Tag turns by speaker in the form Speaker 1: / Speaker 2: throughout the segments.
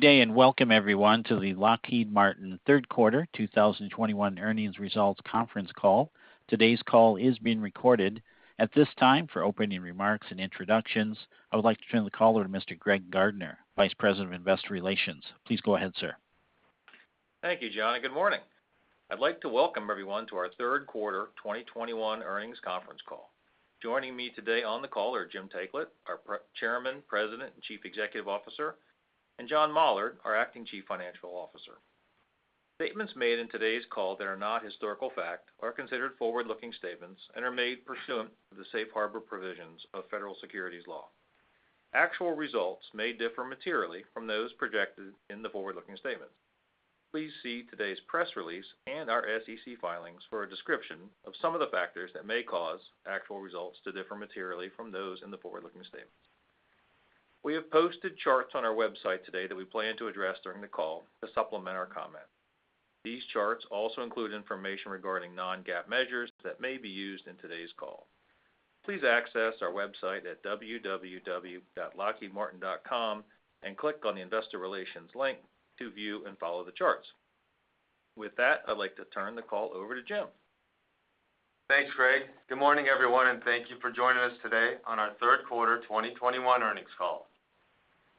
Speaker 1: Good day, and welcome everyone to the Lockheed Martin third quarter 2021 earnings results conference call. Today's call is being recorded. At this time, for opening remarks and introductions, I would like to turn the call over to Mr. Greg Gardner, Vice President of Investor Relations. Please go ahead, sir.
Speaker 2: Thank you, John, and good morning. I'd like to welcome everyone to our third quarter 2021 earnings conference call. Joining me today on the call are Jim Taiclet, our Chairman, President, and Chief Executive Officer, and John Mollard, our Acting Chief Financial Officer. Statements made in today's call that are not historical fact are considered forward-looking statements and are made pursuant to the safe harbor provisions of federal securities law. Actual results may differ materially from those projected in the forward-looking statement. Please see today's press release and our SEC filings for a description of some of the factors that may cause actual results to differ materially from those in the forward-looking statement. We have posted charts on our website today that we plan to address during the call to supplement our comment. These charts also include information regarding non-GAAP measures that may be used in today's call. Please access our website at www.lockheedmartin.com and click on the Investor Relations link to view and follow the charts. With that, I'd like to turn the call over to Jim.
Speaker 3: Thanks, Greg. Good morning, everyone, and thank you for joining us today on our third quarter 2021 earnings call.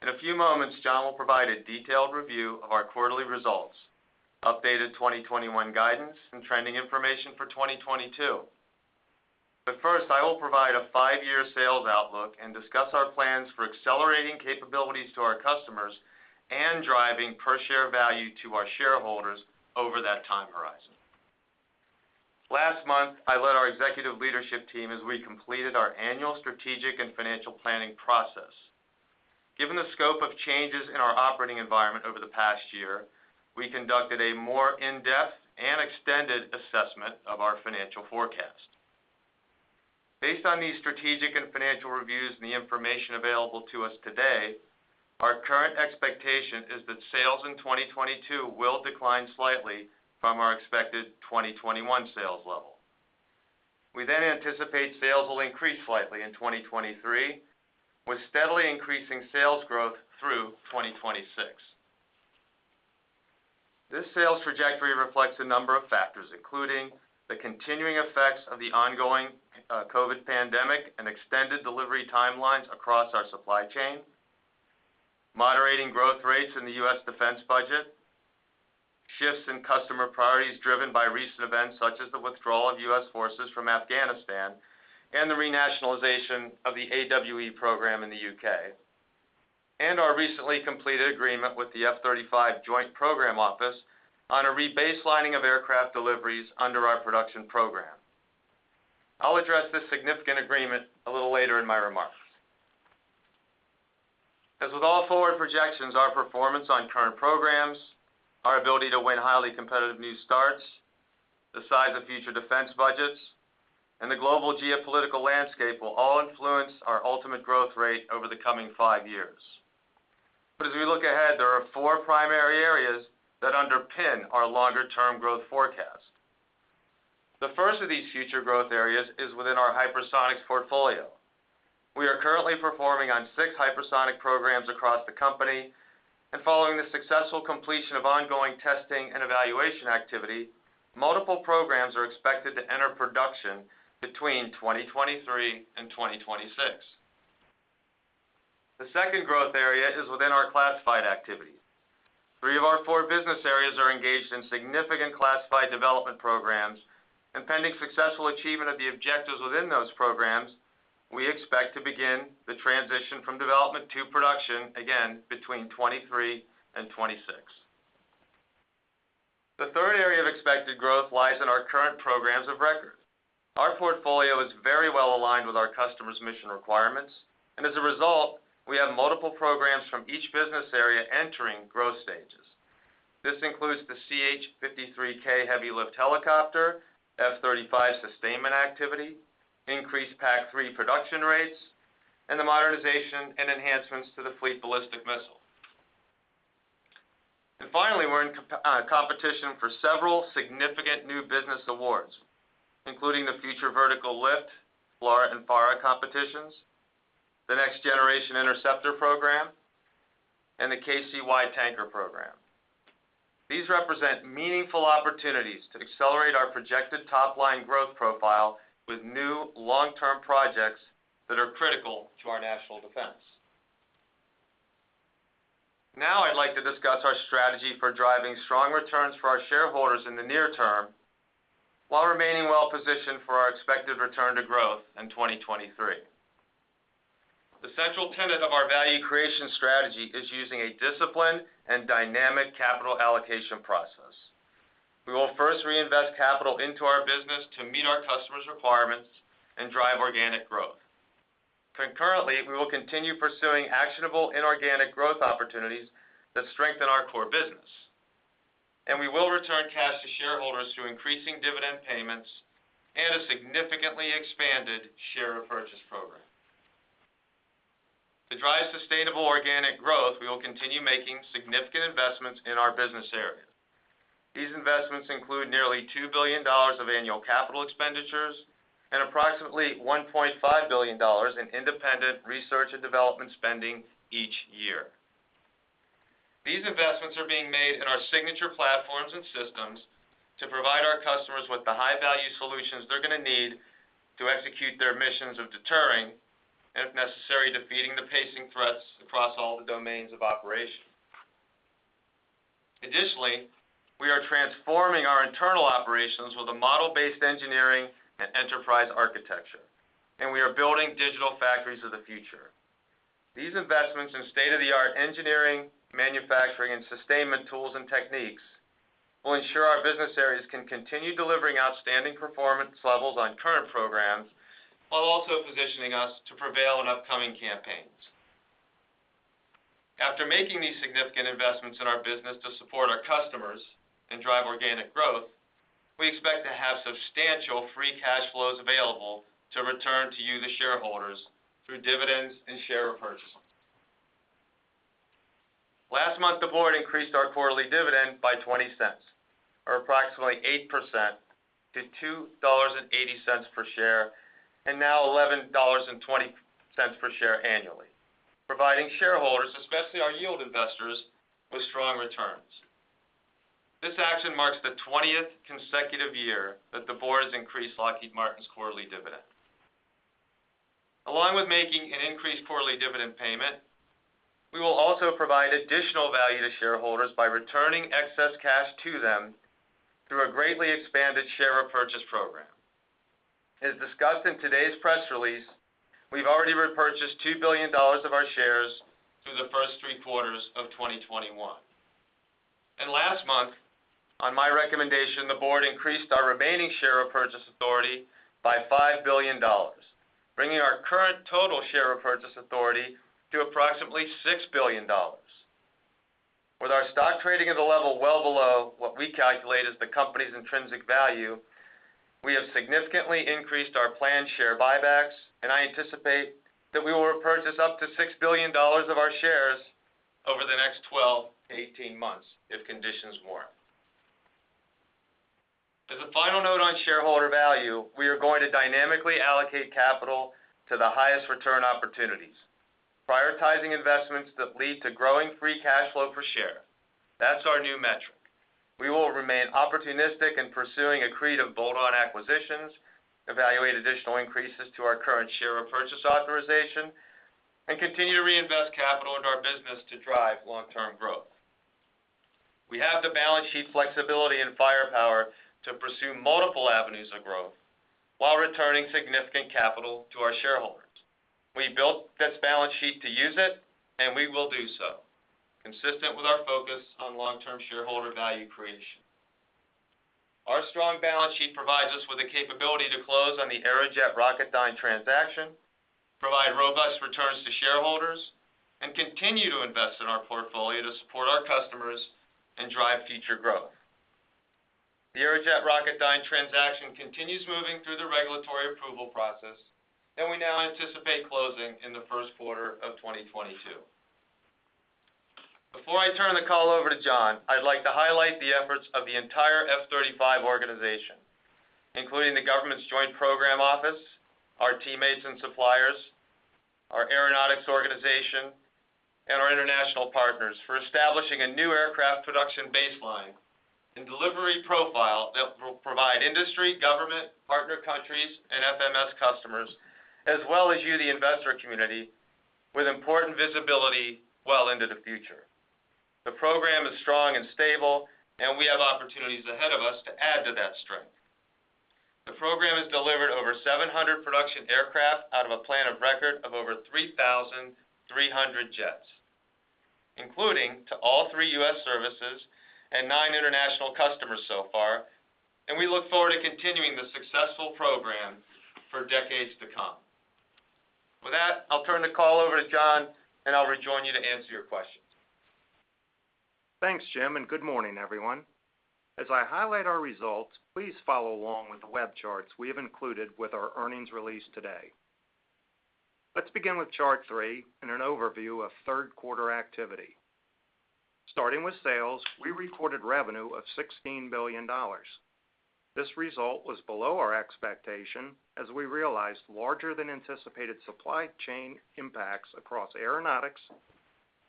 Speaker 3: In a few moments, John will provide a detailed review of our quarterly results, updated 2021 guidance and trending information for 2022. First, I will provide a five-year sales outlook and discuss our plans for accelerating capabilities to our customers and driving per share value to our shareholders over that time horizon. Last month, I led our executive leadership team as we completed our annual strategic and financial planning process. Given the scope of changes in our operating environment over the past year, we conducted a more in-depth and extended assessment of our financial forecast. Based on these strategic and financial reviews and the information available to us today, our current expectation is that sales in 2022 will decline slightly from our expected 2021 sales level. We then anticipate sales will increase slightly in 2023, with steadily increasing sales growth through 2026. This sales trajectory reflects a number of factors, including the continuing effects of the ongoing COVID pandemic and extended delivery timelines across our supply chain, moderating growth rates in the U.S. defense budget, shifts in customer priorities driven by recent events such as the withdrawal of U.S. forces from Afghanistan and the renationalization of the AWE program in the U.K., and our recently completed agreement with the F-35 Joint Program Office on a rebaselining of aircraft deliveries under our production program. I'll address this significant agreement a little later in my remarks. As with all forward projections, our performance on current programs, our ability to win highly competitive new starts, the size of future defense budgets, and the global geopolitical landscape will all influence our ultimate growth rate over the coming five years. As we look ahead, there are four primary areas that underpin our longer-term growth forecast. The first of these future growth areas is within our hypersonics portfolio. We are currently performing on six hypersonic programs across the company and following the successful completion of ongoing testing and evaluation activity, multiple programs are expected to enter production between 2023 and 2026. The second growth area is within our classified activity. Three of our four business areas are engaged in significant classified development programs, and pending successful achievement of the objectives within those programs, we expect to begin the transition from development to production, again, between 2023 and 2026. The third area of expected growth lies in our current programs of record. Our portfolio is very well aligned with our customers' mission requirements, and as a result, we have multiple programs from each business area entering growth stages. This includes the CH-53K heavy lift helicopter, F-35 sustainment activity, increased PAC-3 production rates, and the modernization and enhancements to the Fleet Ballistic Missile. Finally, we're in competition for several significant new business awards, including the Future Vertical Lift, FLRAA and FARA competitions, the Next Generation Interceptor program, and the KC-Y tanker program. These represent meaningful opportunities to accelerate our projected top-line growth profile with new long-term projects that are critical to our national defense. Now I'd like to discuss our strategy for driving strong returns for our shareholders in the near term while remaining well positioned for our expected return to growth in 2023. The central tenet of our value creation strategy is using a disciplined and dynamic capital allocation process. We will first reinvest capital into our business to meet our customers' requirements and drive organic growth. Concurrently, we will continue pursuing actionable inorganic growth opportunities that strengthen our core business, and we will return cash to shareholders through increasing dividend payments and a significantly expanded share repurchase program. To drive sustainable organic growth, we will continue making significant investments in our business areas. These investments include nearly $2 billion of annual capital expenditures and approximately $1.5 billion in independent research and development spending each year. These investments are being made in our signature platforms and systems to provide our customers with the high-value solutions they're gonna need to execute their missions of deterring and, if necessary, defeating the pacing threats across all the domains of operation. Additionally, we are transforming our internal operations with a model-based engineering and enterprise architecture, and we are building digital factories of the future. These investments in state-of-the-art engineering, manufacturing, and sustainment tools and techniques will ensure our business areas can continue delivering outstanding performance levels on current programs while also positioning us to prevail in upcoming campaigns. After making these significant investments in our business to support our customers and drive organic growth, we expect to have substantial free cash flows available to return to you, the shareholders, through dividends and share repurchasing. Last month, the board increased our quarterly dividend by $0.20, or approximately 8% to $2.80 per share and now $11.20 per share annually, providing shareholders, especially our yield investors, with strong returns. This action marks the 20th consecutive year that the board has increased Lockheed Martin's quarterly dividend. Along with making an increased quarterly dividend payment, we will also provide additional value to shareholders by returning excess cash to them through a greatly expanded share repurchase program. As discussed in today's press release, we've already repurchased $2 billion of our shares through the first three quarters of 2021. Last month, on my recommendation, the board increased our remaining share repurchase authority by $5 billion, bringing our current total share repurchase authority to approximately $6 billion. With our stock trading at a level well below what we calculate as the company's intrinsic value, we have significantly increased our planned share buybacks, and I anticipate that we will repurchase up to $6 billion of our shares over the next 12 to 18 months if conditions warrant. As a final note on shareholder value, we are going to dynamically allocate capital to the highest return opportunities, prioritizing investments that lead to growing free cash flow per share. That's our new metric. We will remain opportunistic in pursuing accretive bolt-on acquisitions, evaluate additional increases to our current share repurchase authorization, and continue to reinvest capital into our business to drive long-term growth. We have the balance sheet flexibility and firepower to pursue multiple avenues of growth while returning significant capital to our shareholders. We built this balance sheet to use it, and we will do so, consistent with our focus on long-term shareholder value creation. Our strong balance sheet provides us with the capability to close on the Aerojet Rocketdyne transaction, provide robust returns to shareholders, and continue to invest in our portfolio to support our customers and drive future growth. The Aerojet Rocketdyne transaction continues moving through the regulatory approval process, and we now anticipate closing in the first quarter of 2022. Before I turn the call over to John, I'd like to highlight the efforts of the entire F-35 organization, including the government's joint program office, our teammates and suppliers, our aeronautics organization, and our international partners for establishing a new aircraft production baseline and delivery profile that will provide industry, government, partner countries, and FMS customers, as well as you, the investor community, with important visibility well into the future. The program is strong and stable, and we have opportunities ahead of us to add to that strength. The program has delivered over 700 production aircraft out of a plan of record of over 3,300 jets, including to all three U.S. services and nine international customers so far, and we look forward to continuing this successful program for decades to come. With that, I'll turn the call over to John, and I'll rejoin you to answer your questions.
Speaker 4: Thanks, Jim, and good morning, everyone. As I highlight our results, please follow along with the web charts we have included with our earnings release today. Let's begin with Chart three and an overview of third quarter activity. Starting with sales, we recorded revenue of $16 billion. This result was below our expectation as we realized larger than anticipated supply chain impacts across Aeronautics,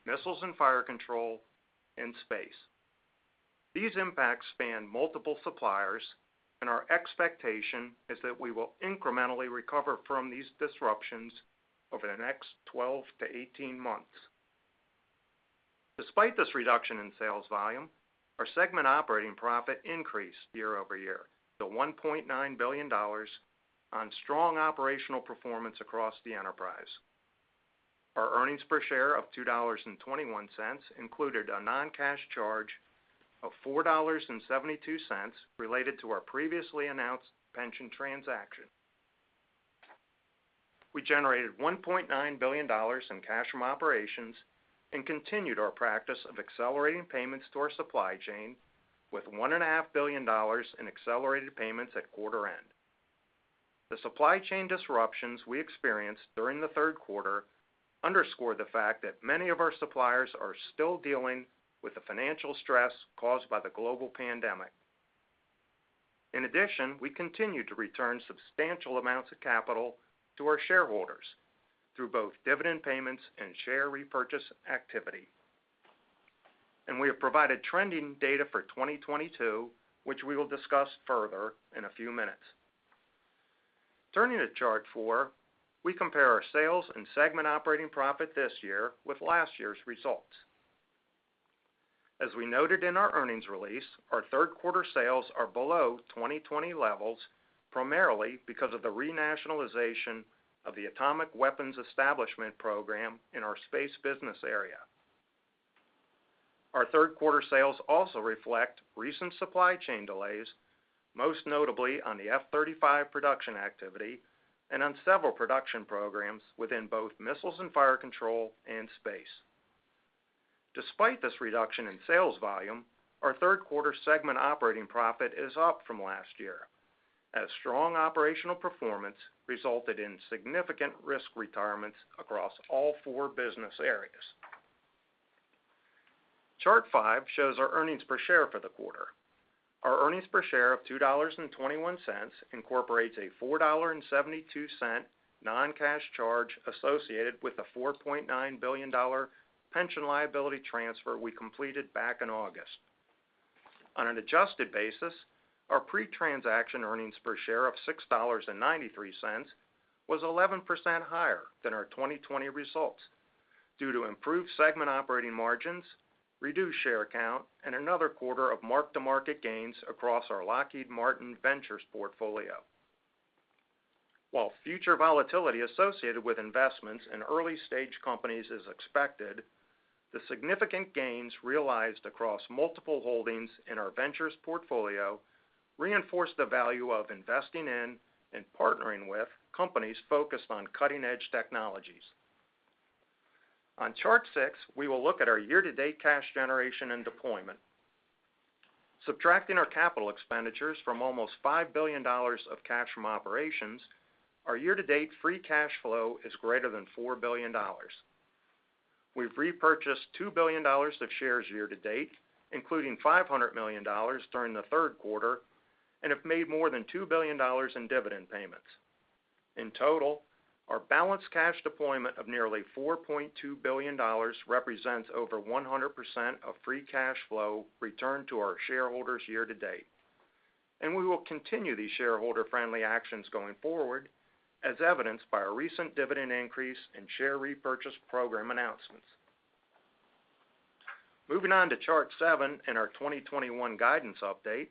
Speaker 4: Missiles and Fire Control, and Space. These impacts spanned multiple suppliers, and our expectation is that we will incrementally recover from these disruptions over the next 12 to 18 months. Despite this reduction in sales volume, our segment operating profit increased year-over-year to $1.9 billion on strong operational performance across the enterprise. Our earnings per share of $2.21 included a non-cash charge of $4.72 related to our previously announced pension transaction. We generated $1.9 billion in cash from operations and continued our practice of accelerating payments to our supply chain with $1.5 billion in accelerated payments at quarter end. The supply chain disruptions we experienced during the third quarter underscore the fact that many of our suppliers are still dealing with the financial stress caused by the global pandemic. In addition, we continue to return substantial amounts of capital to our shareholders through both dividend payments and share repurchase activity. We have provided trending data for 2022, which we will discuss further in a few minutes. Turning to Chart 4, we compare our sales and segment operating profit this year with last year's results. As we noted in our earnings release, our third quarter sales are below 2020 levels, primarily because of the renationalization of the Atomic Weapons Establishment program in our Space business area. Our third quarter sales also reflect recent supply chain delays, most notably on the F-35 production activity and on several production programs within both Missiles and Fire Control and Space. Despite this reduction in sales volume, our third quarter segment operating profit is up from last year as strong operational performance resulted in significant risk retirements across all four business areas. Chart five shows our earnings per share for the quarter. Our earnings per share of $2.21 incorporates a $4.72 non-cash charge associated with the $4.9 billion pension liability transfer we completed back in August. On an adjusted basis, our pre-transaction earnings per share of $6.93 was 11% higher than our 2020 results due to improved segment operating margins, reduced share count, and another quarter of mark-to-market gains across our Lockheed Martin Ventures portfolio. While future volatility associated with investments in early-stage companies is expected, the significant gains realized across multiple holdings in our ventures portfolio reinforce the value of investing in and partnering with companies focused on cutting-edge technologies. On Chart six, we will look at our year-to-date cash generation and deployment. Subtracting our capital expenditures from almost $5 billion of cash from operations, our year-to-date free cash flow is greater than $4 billion. We've repurchased $2 billion of shares year-to-date, including $500 million during the third quarter, and have made more than $2 billion in dividend payments. In total, our balanced cash deployment of nearly $4.2 billion represents over 100% of free cash flow returned to our shareholders year to date. We will continue these shareholder-friendly actions going forward, as evidenced by our recent dividend increase and share repurchase program announcements. Moving on to Chart seven and our 2021 guidance update,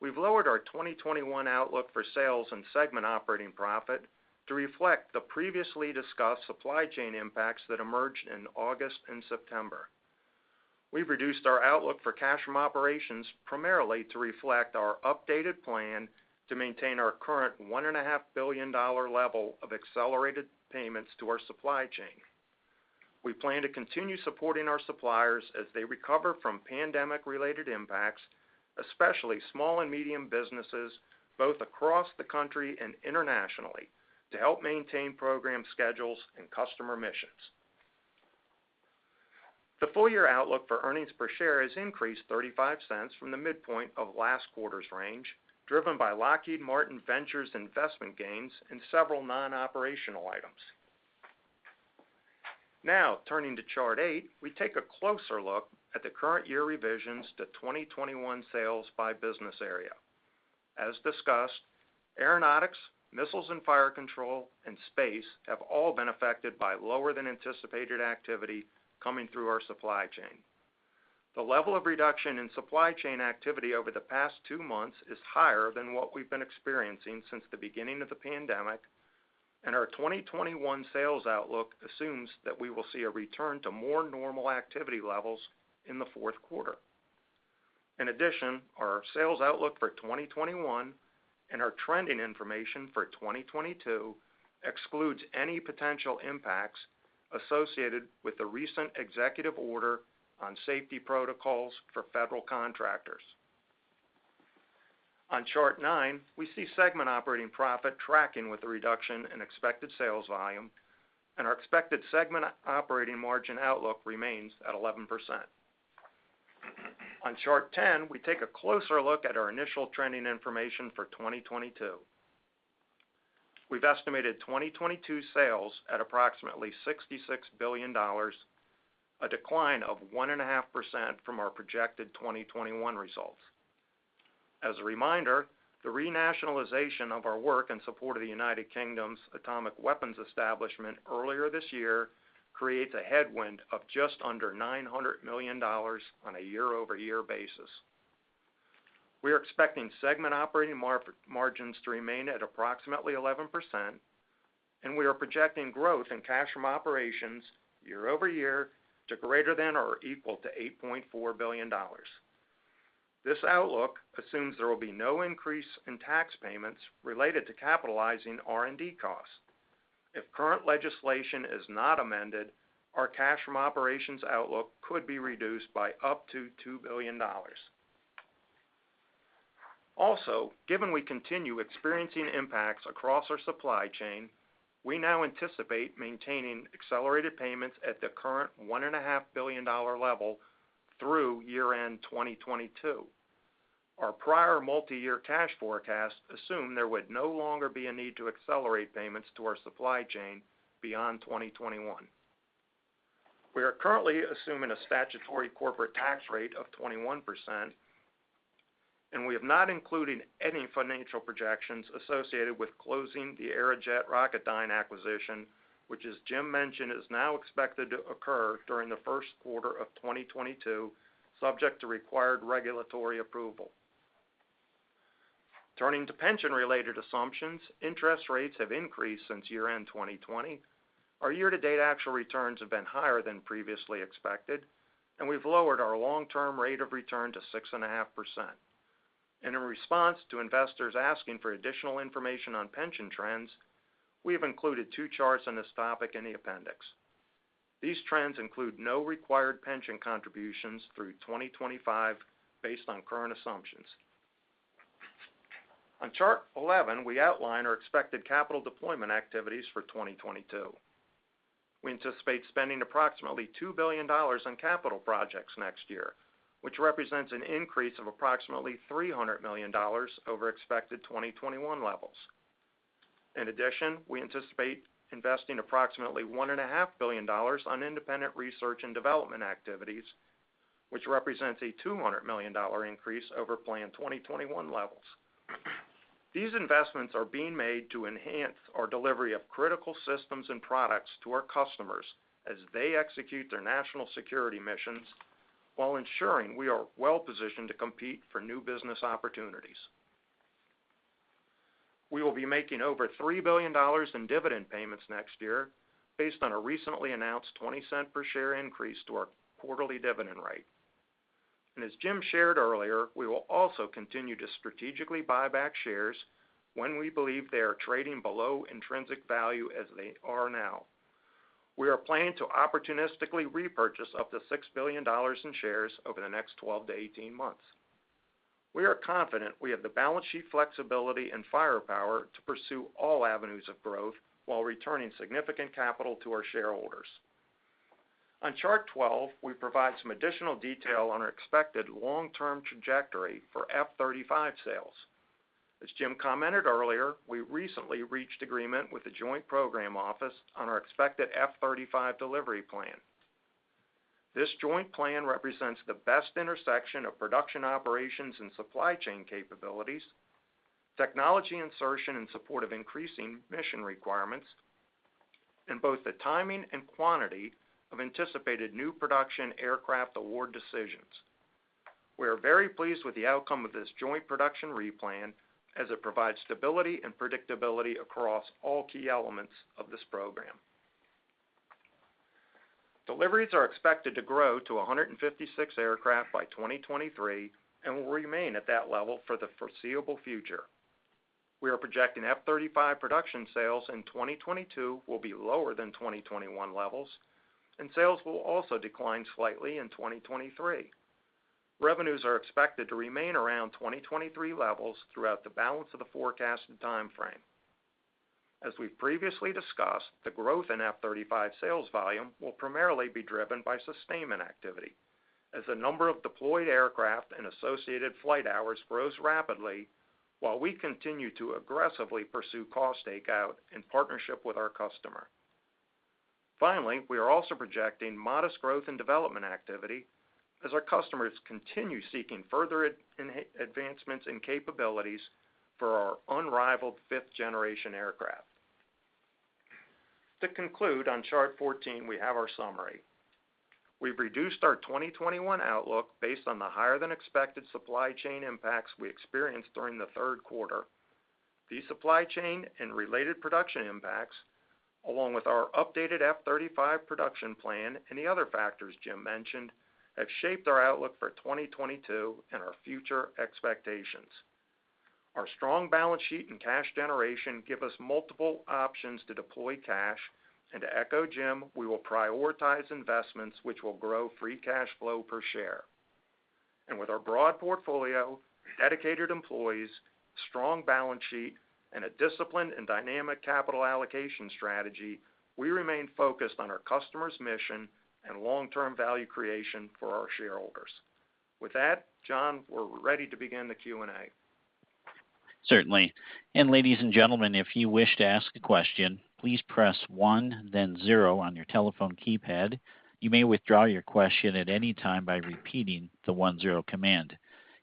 Speaker 4: we've lowered our 2021 outlook for sales and segment operating profit to reflect the previously discussed supply chain impacts that emerged in August and September. We've reduced our outlook for cash from operations primarily to reflect our updated plan to maintain our current $1.5 billion level of accelerated payments to our supply chain. We plan to continue supporting our suppliers as they recover from pandemic-related impacts, especially small and medium businesses, both across the country and internationally, to help maintain program schedules and customer missions. The full year outlook for earnings per share has increased $0.35 from the midpoint of last quarter's range, driven by Lockheed Martin Ventures investment gains and several non-operational items. Now, turning to Chart eight, we take a closer look at the current year revisions to 2021 sales by business area. As discussed, Aeronautics, Missiles and Fire Control, and Space have all been affected by lower than anticipated activity coming through our supply chain. The level of reduction in supply chain activity over the past two months is higher than what we've been experiencing since the beginning of the pandemic, and our 2021 sales outlook assumes that we will see a return to more normal activity levels in the fourth quarter. In addition, our sales outlook for 2021 and our trending information for 2022 excludes any potential impacts associated with the recent executive order on safety protocols for federal contractors. On Chart nine, we see segment operating profit tracking with the reduction in expected sales volume, and our expected segment operating margin outlook remains at 11%. On Chart 10, we take a closer look at our initial trending information for 2022. We've estimated 2022 sales at approximately $66 billion, a decline of 1.5% from our projected 2021 results. As a reminder, the renationalization of our work in support of the United Kingdom's Atomic Weapons Establishment earlier this year creates a headwind of just under $900 million on a year-over-year basis. We are expecting segment operating margins to remain at approximately 11%, and we are projecting growth in cash from operations year-over-year to greater than or equal to $8.4 billion. This outlook assumes there will be no increase in tax payments related to capitalizing R&D costs. If current legislation is not amended, our cash from operations outlook could be reduced by up to $2 billion. Also, given we continue experiencing impacts across our supply chain, we now anticipate maintaining accelerated payments at the current $1.5 billion level through year-end 2022. Our prior multi-year cash forecast assumed there would no longer be a need to accelerate payments to our supply chain beyond 2021. We are currently assuming a statutory corporate tax rate of 21%, and we have not included any financial projections associated with closing the Aerojet Rocketdyne acquisition, which, as Jim mentioned, is now expected to occur during the first quarter of 2022, subject to required regulatory approval. Turning to pension-related assumptions, interest rates have increased since year-end 2020. Our year-to-date actual returns have been higher than previously expected, and we've lowered our long-term rate of return to 6.5%. In response to investors asking for additional information on pension trends, we have included two charts on this topic in the appendix. These trends include no required pension contributions through 2025 based on current assumptions. On chart 11, we outline our expected capital deployment activities for 2022. We anticipate spending approximately $2 billion on capital projects next year, which represents an increase of approximately $300 million over expected 2021 levels. In addition, we anticipate investing approximately $1.5 billion on independent research and development activities, which represents a $200 million increase over planned 2021 levels. These investments are being made to enhance our delivery of critical systems and products to our customers as they execute their national security missions while ensuring we are well-positioned to compete for new business opportunities. We will be making over $3 billion in dividend payments next year based on a recently announced $0.20 per share increase to our quarterly dividend rate. As Jim shared earlier, we will also continue to strategically buy back shares when we believe they are trading below intrinsic value as they are now. We are planning to opportunistically repurchase up to $6 billion in shares over the next 12 to 18 months. We are confident we have the balance sheet flexibility and firepower to pursue all avenues of growth while returning significant capital to our shareholders. On chart 12, we provide some additional detail on our expected long-term trajectory for F-35 sales. As Jim commented earlier, we recently reached agreement with the Joint Program Office on our expected F-35 delivery plan. This joint plan represents the best intersection of production operations and supply chain capabilities, technology insertion in support of increasing mission requirements, and both the timing and quantity of anticipated new production aircraft award decisions. We are very pleased with the outcome of this joint production replan, as it provides stability and predictability across all key elements of this program. Deliveries are expected to grow to 156 aircraft by 2023, and will remain at that level for the foreseeable future. We are projecting F-35 production sales in 2022 will be lower than 2021 levels, and sales will also decline slightly in 2023. Revenues are expected to remain around 2023 levels throughout the balance of the forecasted time frame. As we've previously discussed, the growth in F-35 sales volume will primarily be driven by sustainment activity, as the number of deployed aircraft and associated flight hours grows rapidly while we continue to aggressively pursue cost takeout in partnership with our customer. Finally, we are also projecting modest growth in development activity as our customers continue seeking further advancements and capabilities for our unrivaled fifth-generation aircraft. To conclude, on chart 14, we have our summary. We've reduced our 2021 outlook based on the higher than expected supply chain impacts we experienced during the third quarter. These supply chain and related production impacts, along with our updated F-35 production plan, and the other factors Jim mentioned, have shaped our outlook for 2022 and our future expectations. Our strong balance sheet and cash generation give us multiple options to deploy cash, and to echo Jim, we will prioritize investments which will grow free cash flow per share. With our broad portfolio, dedicated employees, strong balance sheet, and a disciplined and dynamic capital allocation strategy, we remain focused on our customers' mission and long-term value creation for our shareholders. With that, John, we're ready to begin the Q&A.
Speaker 1: Certainly. Ladies and gentlemen, if you wish to ask a question, please press one, then zero on your telephone keypad. You may withdraw your question at any time by repeating the one zero command.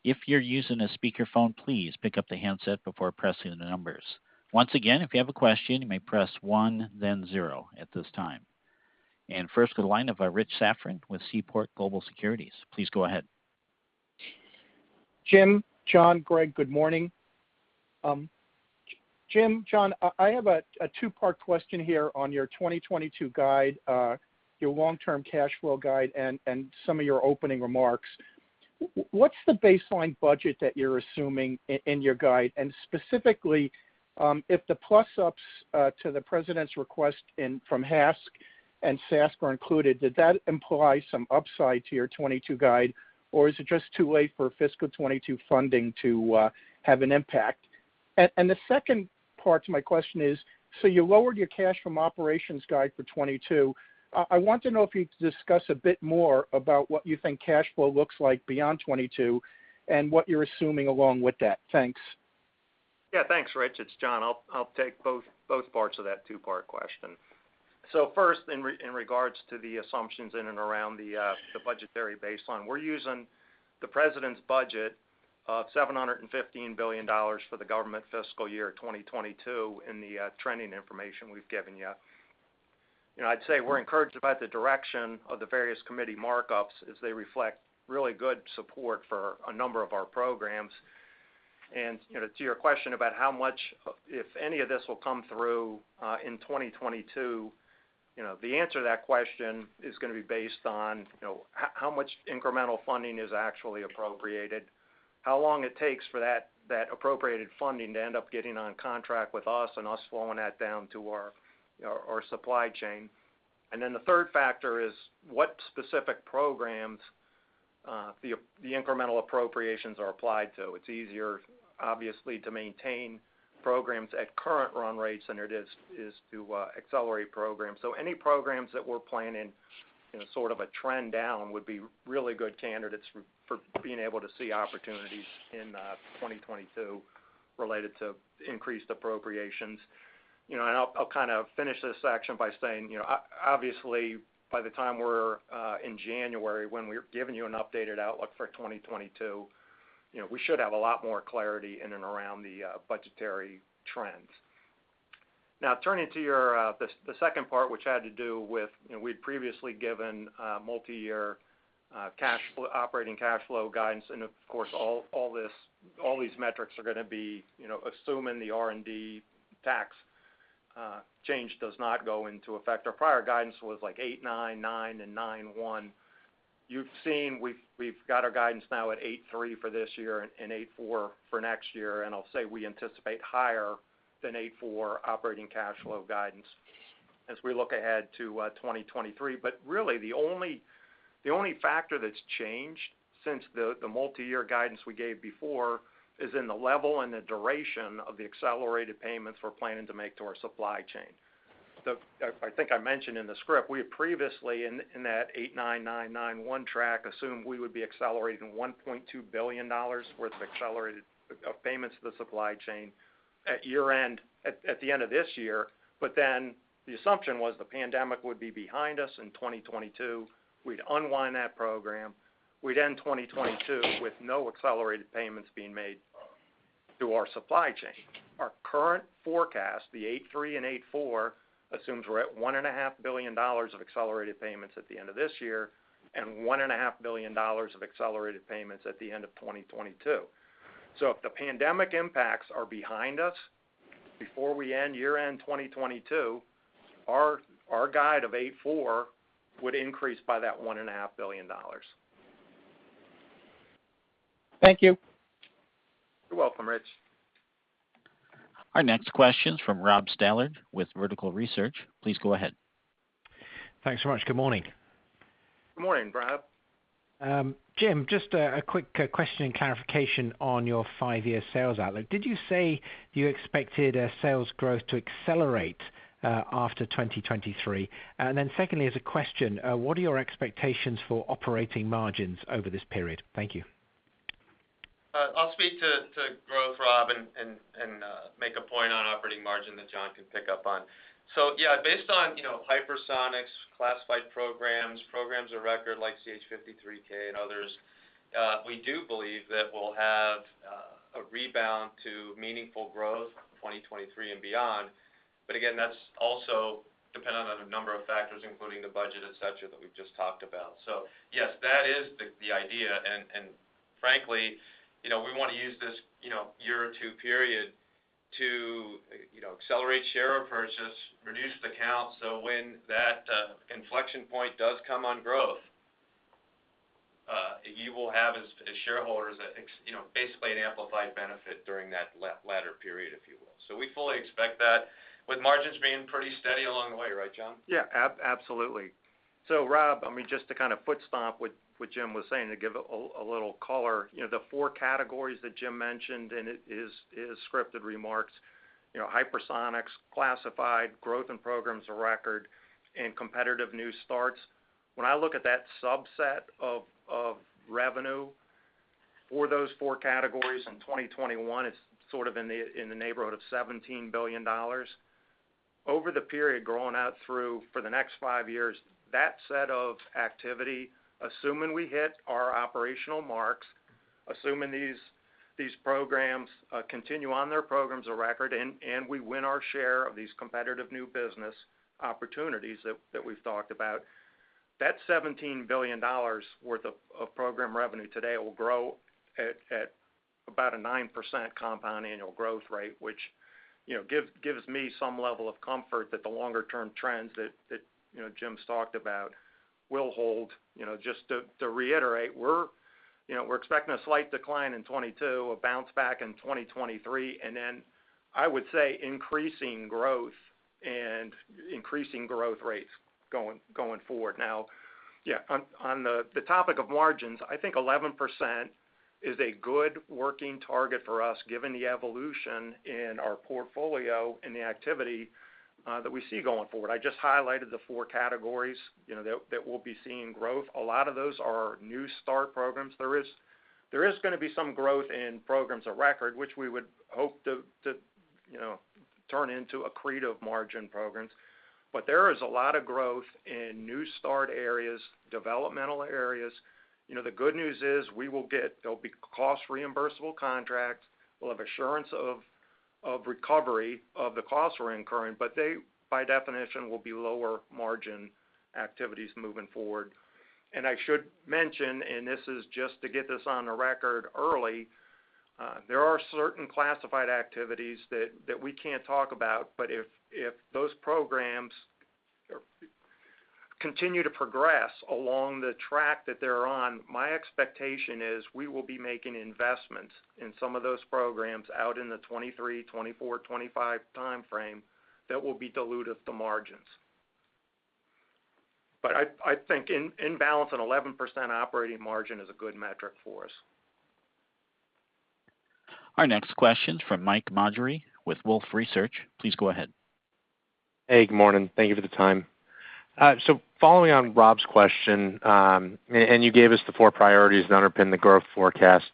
Speaker 1: If you're using a speakerphone, please pick up the handset before pressing the numbers. Once again, if you have a question, you may press one, then zero at this time. First to the line of Richard Safran with Seaport Research Partners. Please go ahead.
Speaker 5: Jim, John, Greg, good morning. Jim, John, I have a two-part question here on your 2022 guide, your long-term cash flow guide, and some of your opening remarks. What's the baseline budget that you're assuming in your guide? And specifically, if the plus-ups to the President's request from HASC and SASC were included, did that imply some upside to your 2022 guide, or is it just too late for fiscal 2022 funding to have an impact? The second part to my question is, you lowered your cash from operations guide for 2022. I want to know if you could discuss a bit more about what you think cash flow looks like beyond 2022 and what you're assuming along with that. Thanks.
Speaker 4: Yeah, thanks, Rich. It's John. I'll take both parts of that two-part question. First, in regards to the assumptions in and around the budgetary baseline, we're using the President's budget of $715 billion for the government fiscal year 2022 in the trending information we've given you. You know, I'd say we're encouraged about the direction of the various committee markups as they reflect really good support for a number of our programs. You know, to your question about how much, if any, of this will come through in 2022, you know, the answer to that question is gonna be based on, you know, how much incremental funding is actually appropriated, how long it takes for that appropriated funding to end up getting on contract with us and us flowing that down to our supply chain. Then the third factor is what specific programs the incremental appropriations are applied to. It's easier, obviously, to maintain programs at current run rates than it is to accelerate programs. Any programs that we're planning in a sort of a trend down would be really good candidates for being able to see opportunities in 2022 related to increased appropriations. You know, I'll kind of finish this section by saying, you know, obviously, by the time we're in January, when we're giving you an updated outlook for 2022, you know, we should have a lot more clarity in and around the budgetary trends. Now turning to your, the second part, which had to do with, you know, we'd previously given multi-year operating cash flow guidance, and of course, all these metrics are gonna be, you know, assuming the R&D tax change does not go into effect. Our prior guidance was, like, $8-$9 billion, $9 billion and $9-$11 billion. You've seen we've got our guidance now at $8.3 billion for this year and $8.4 billion for next year. I'll say we anticipate higher than $8.4 billion operating cash flow guidance as we look ahead to 2023. Really the only factor that's changed since the multi-year guidance we gave before is in the level and the duration of the accelerated payments we're planning to make to our supply chain. I think I mentioned in the script, we had previously in that $8-$9, $9-$9-$1 track assumed we would be accelerating $1.2 billion worth of accelerated payments to the supply chain at year-end, at the end of this year. The assumption was the pandemic would be behind us in 2022. We'd unwind that program. We'd end 2022 with no accelerated payments being made through our supply chain. Our current forecast, the 2023 and 2024, assumes we're at $1.5 billion of accelerated payments at the end of this year and $1.5 billion of accelerated payments at the end of 2022. If the pandemic impacts are behind us before we end year-end 2022, our guide of 2024 would increase by that $1.5 billion.
Speaker 5: Thank you.
Speaker 4: You're welcome, Rich.
Speaker 1: Our next question is from Robert Stallard with Vertical Research. Please go ahead.
Speaker 6: Thanks so much. Good morning.
Speaker 4: Good morning, Rob.
Speaker 6: Jim, just a quick question and clarification on your five-year sales outlook. Did you say you expected sales growth to accelerate after 2023? Secondly, as a question, what are your expectations for operating margins over this period? Thank you.
Speaker 4: I'll speak to growth, Rob, and make a point on operating margin that John can pick up on. Yeah, based on, you know, hypersonics, classified programs of record like CH-53K and others, we do believe that we'll have a rebound to meaningful growth in 2023 and beyond. Again, that's also dependent on a number of factors, including the budget, et cetera, that we've just talked about. Yes, that is the idea. Frankly, you know, we wanna use this, you know, year or two period to, you know, accelerate share purchases, reduce the count, so when that inflection point does come on growth, you will have, as shareholders, you know, basically an amplified benefit during that latter period, if you will. We fully expect that with margins being pretty steady along the way. Right, John? Yeah. Absolutely. Rob, I mean, just to kind of foot stomp what Jim was saying, to give a little color, you know, the four categories that Jim mentioned in his scripted remarks, you know, hypersonics, classified, growth in programs of record, and competitive new starts, when I look at that subset of revenue for those four categories in 2021, it's sort of in the neighborhood of $17 billion. Over the period growing out through for the next five years, that set of activity, assuming we hit our operational marks, assuming these programs continue on their programs of record, and we win our share of these competitive new business opportunities that we've talked about, that $17 billion worth of program revenue today will grow at about a 9% compound annual growth rate, which gives me some level of comfort that the longer-term trends that Jim's talked about will hold. Just to reiterate, we're expecting a slight decline in 2022, a bounce back in 2023, and then I would say increasing growth and increasing growth rates going forward. Now, on the topic of margins, I think 11% is a good working target for us given the evolution in our portfolio and the activity that we see going forward. I just highlighted the four categories, you know, that we'll be seeing growth. A lot of those are new start programs. There is gonna be some growth in programs of record, which we would hope to, you know, turn into accretive margin programs. There is a lot of growth in new start areas, developmental areas. You know, the good news is there'll be cost reimbursable contracts. We'll have assurance of recovery of the costs we're incurring. They, by definition, will be lower margin activities moving forward. I should mention, and this is just to get this on the record early, there are certain classified activities that we can't talk about. If those programs continue to progress along the track that they're on, my expectation is we will be making investments in some of those programs out in the 2023, 2024, 2025 timeframe that will be dilutive to margins. I think in balance, an 11% operating margin is a good metric for us.
Speaker 1: Our next question's from Michael Sullivan with Wolfe Research. Please go ahead.
Speaker 7: Hey, good morning. Thank you for the time. Following on Rob's question, and you gave us the four priorities that underpin the growth forecast.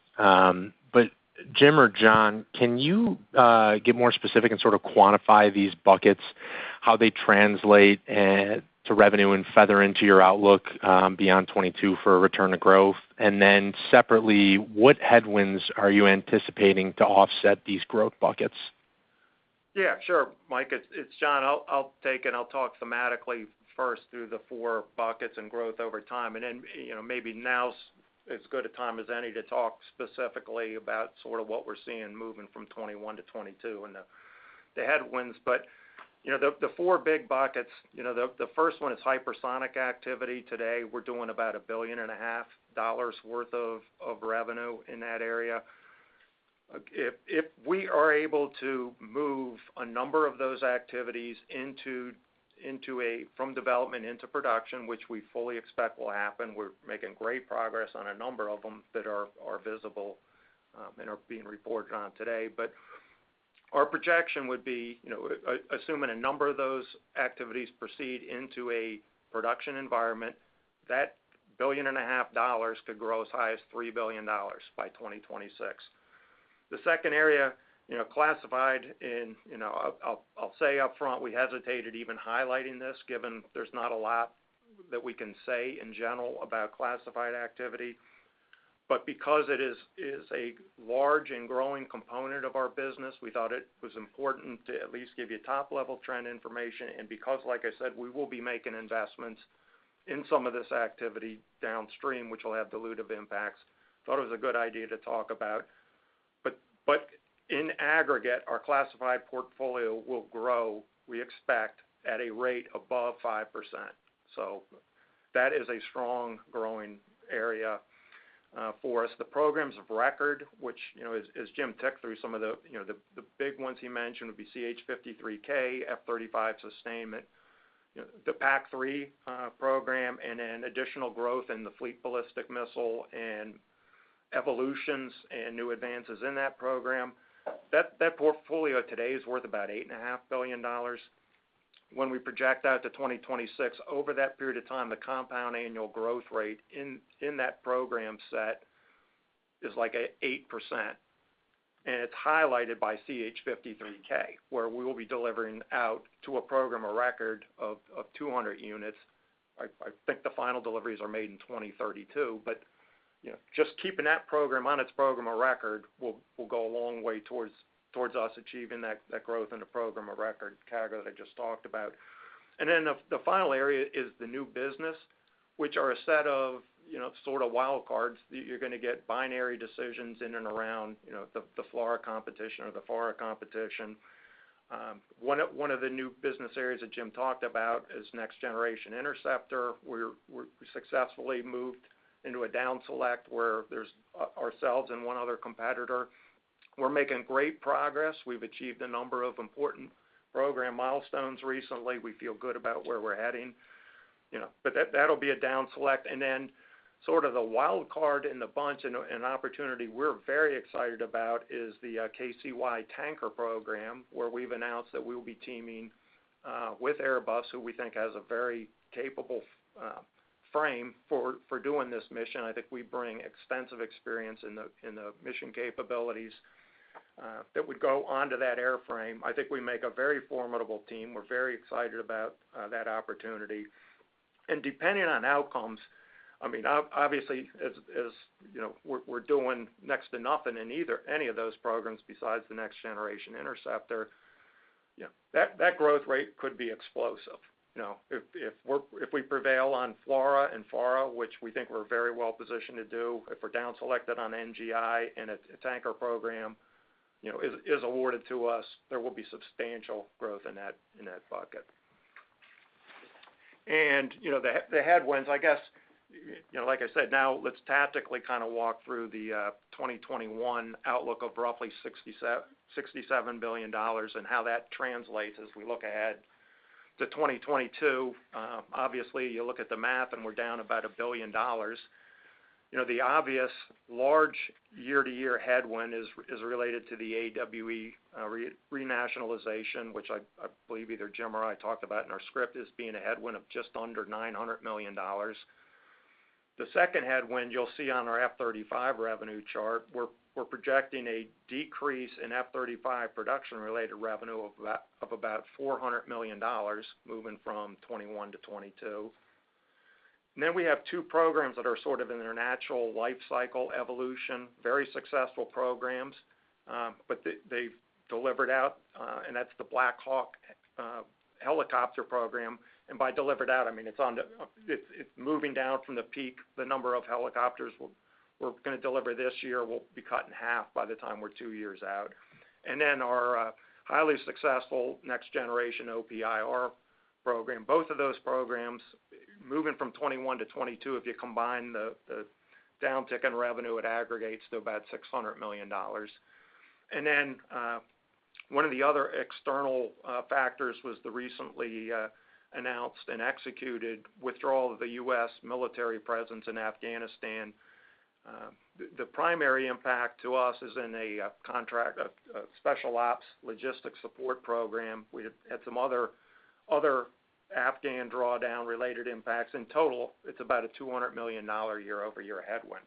Speaker 7: Jim or John, can you get more specific and sort of quantify these buckets, how they translate to revenue and factor into your outlook beyond 2022 for a return to growth? Separately, what headwinds are you anticipating to offset these growth buckets?
Speaker 4: Yeah, sure. Mike, it's John. I'll take it. I'll talk thematically first through the four buckets and growth over time. Then, you know, maybe now's as good a time as any to talk specifically about sort of what we're seeing moving from 2021 to 2022 and the headwinds. You know, the four big buckets, you know, the first one is hypersonic activity. Today, we're doing about $1.5 billion worth of revenue in that area. If we are able to move a number of those activities into from development into production, which we fully expect will happen, we're making great progress on a number of them that are visible and are being reported on today. Our projection would be, you know, assuming a number of those activities proceed into a production environment, that $1.5 billion could grow as high as $3 billion by 2026. The second area, you know, classified, you know, I'll say up front, we hesitated even highlighting this given there's not a lot that we can say in general about classified activity. Because it is a large and growing component of our business, we thought it was important to at least give you top level trend information. Because, like I said, we will be making investments in some of this activity downstream, which will have dilutive impacts, thought it was a good idea to talk about. In aggregate, our classified portfolio will grow, we expect, at a rate above 5%. That is a strong growing area for us. The programs of record, which, you know, as Jim ticked through some of the, you know, the big ones he mentioned would be CH-53K, F-35 sustainment, you know, the PAC-3 program, and then additional growth in the Fleet Ballistic Missile and evolutions and new advances in that program. That portfolio today is worth about $8.5 billion. When we project out to 2026, over that period of time, the compound annual growth rate in that program set is like 8%. It's highlighted by CH-53K, where we will be delivering out to a program a record of 200 units. I think the final deliveries are made in 2032. You know, just keeping that program on its program of record will go a long way towards us achieving that growth in the program of record CAGR that I just talked about. The final area is the new business, which are a set of, you know, sort of wild cards. You're gonna get binary decisions in and around, you know, the FLRAA competition or the FARA competition. One of the new business areas that Jim talked about is Next Generation Interceptor, where we successfully moved into a down select where there's ourselves and one other competitor. We're making great progress. We've achieved a number of important program milestones recently. We feel good about where we're heading, you know. But that'll be a down select. Then sort of the wild card in the bunch and opportunity we're very excited about is the KC-Y tanker program, where we've announced that we will be teaming with Airbus, who we think has a very capable frame for doing this mission. I think we bring extensive experience in the mission capabilities that would go onto that airframe. I think we make a very formidable team. We're very excited about that opportunity. Depending on outcomes, I mean, obviously, as you know, we're doing next to nothing in either any of those programs besides the Next-Generation Interceptor. Yeah. That growth rate could be explosive. You know, if we prevail on FLRAA and FARA, which we think we're very well positioned to do, if we're down selected on NGI and its anchor program, you know, is awarded to us, there will be substantial growth in that bucket. You know, the headwinds, I guess, you know, like I said, now let's tactically kind of walk through the 2021 outlook of roughly $67 billion and how that translates as we look ahead to 2022. Obviously, you look at the math and we're down about $1 billion. You know, the obvious large year-to-year headwind is related to the AWE renationalization, which I believe either Jim or I talked about in our script as being a headwind of just under $900 million. The second headwind you'll see on our F-35 revenue chart. We're projecting a decrease in F-35 production-related revenue of about $400 million moving from 2021 to 2022. We have two programs that are sort of in their natural life cycle evolution, very successful programs, but they've delivered out, and that's the Black Hawk helicopter program. By delivered out, I mean, it's moving down from the peak. The number of helicopters we're gonna deliver this year will be cut in half by the time we're two years out. Our highly successful Next Generation OPIR program. Both of those programs, moving from 2021 to 2022, if you combine the downtick in revenue, it aggregates to about $600 million. One of the other external factors was the recently announced and executed withdrawal of the U.S. military presence in Afghanistan. The primary impact to us is in a contract, a special ops logistics support program. We had some other Afghan drawdown related impacts. In total, it's about a $200 million year-over-year headwind.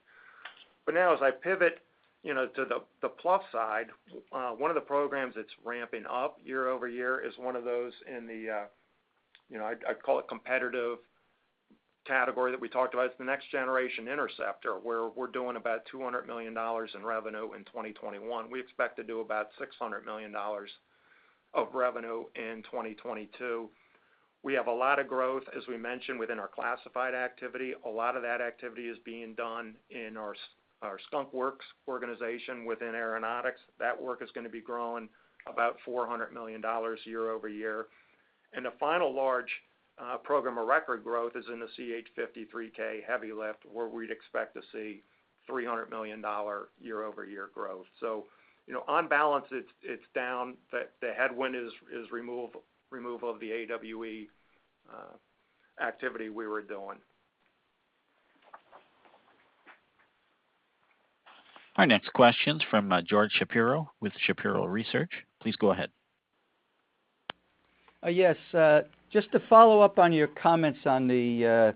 Speaker 4: Now as I pivot, you know, to the plus side, one of the programs that's ramping up year-over-year is one of those in the, you know, I'd call it competitive category that we talked about. It's the Next Generation Interceptor, where we're doing about $200 million in revenue in 2021. We expect to do about $600 million of revenue in 2022. We have a lot of growth, as we mentioned, within our classified activity. A lot of that activity is being done in our Skunk Works organization within Aeronautics. That work is gonna be growing about $400 million year-over-year. The final large program of record growth is in the CH-53K Heavy Lift, where we'd expect to see $300 million year-over-year growth. You know, on balance, it's down. The headwind is removal of the AWE activity we were doing.
Speaker 1: Our next questions from George Shapiro with Shapiro Research-. Please go ahead.
Speaker 8: Yes. Just to follow-up on your comments on the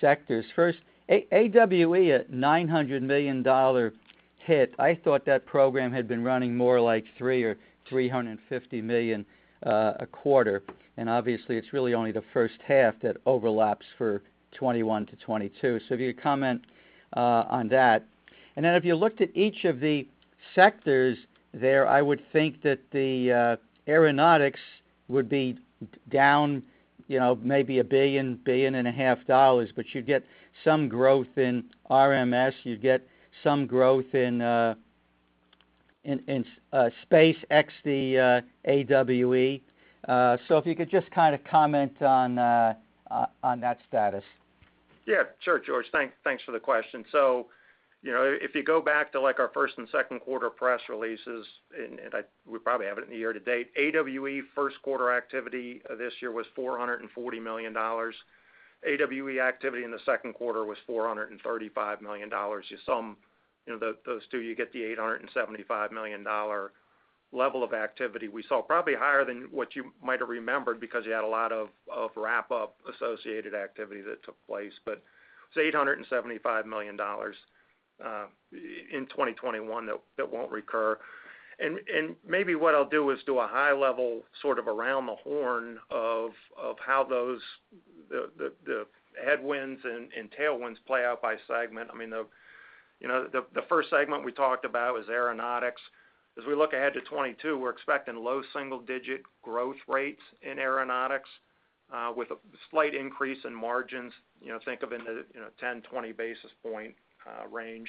Speaker 8: sectors. First, AWE at a $900 million hit. I thought that program had been running more like $300 million or $350 million a quarter. Obviously, it's really only the H1 that overlaps for 2021-2022. If you comment on that. Then if you looked at each of the sectors there, I would think that the Aeronautics would be down, you know, maybe $1 billion-$1.5 billion. But you get some growth in RMS. You get some growth in Space, ex-AWE. If you could just kind of comment on that status.
Speaker 4: Yeah. Sure, George. Thanks for the question. You know, if you go back to our first and second quarter press releases, we probably have it in the year to date, AWE first quarter activity this year was $400 million. AWE activity in the second quarter was $435 million. You sum those two, you get the $875 million level of activity we saw, probably higher than what you might have remembered because you had a lot of wrap up associated activity that took place. It's $875 million in 2021 that won't recur. Maybe what I'll do is do a high level, sort of around the horn of how those headwinds and tailwinds play out by segment. I mean, you know, the first segment we talked about was Aeronautics. As we look ahead to 2022, we're expecting low single digit growth rates in Aeronautics with a slight increase in margins. You know, think of it in the 10-20 basis point range.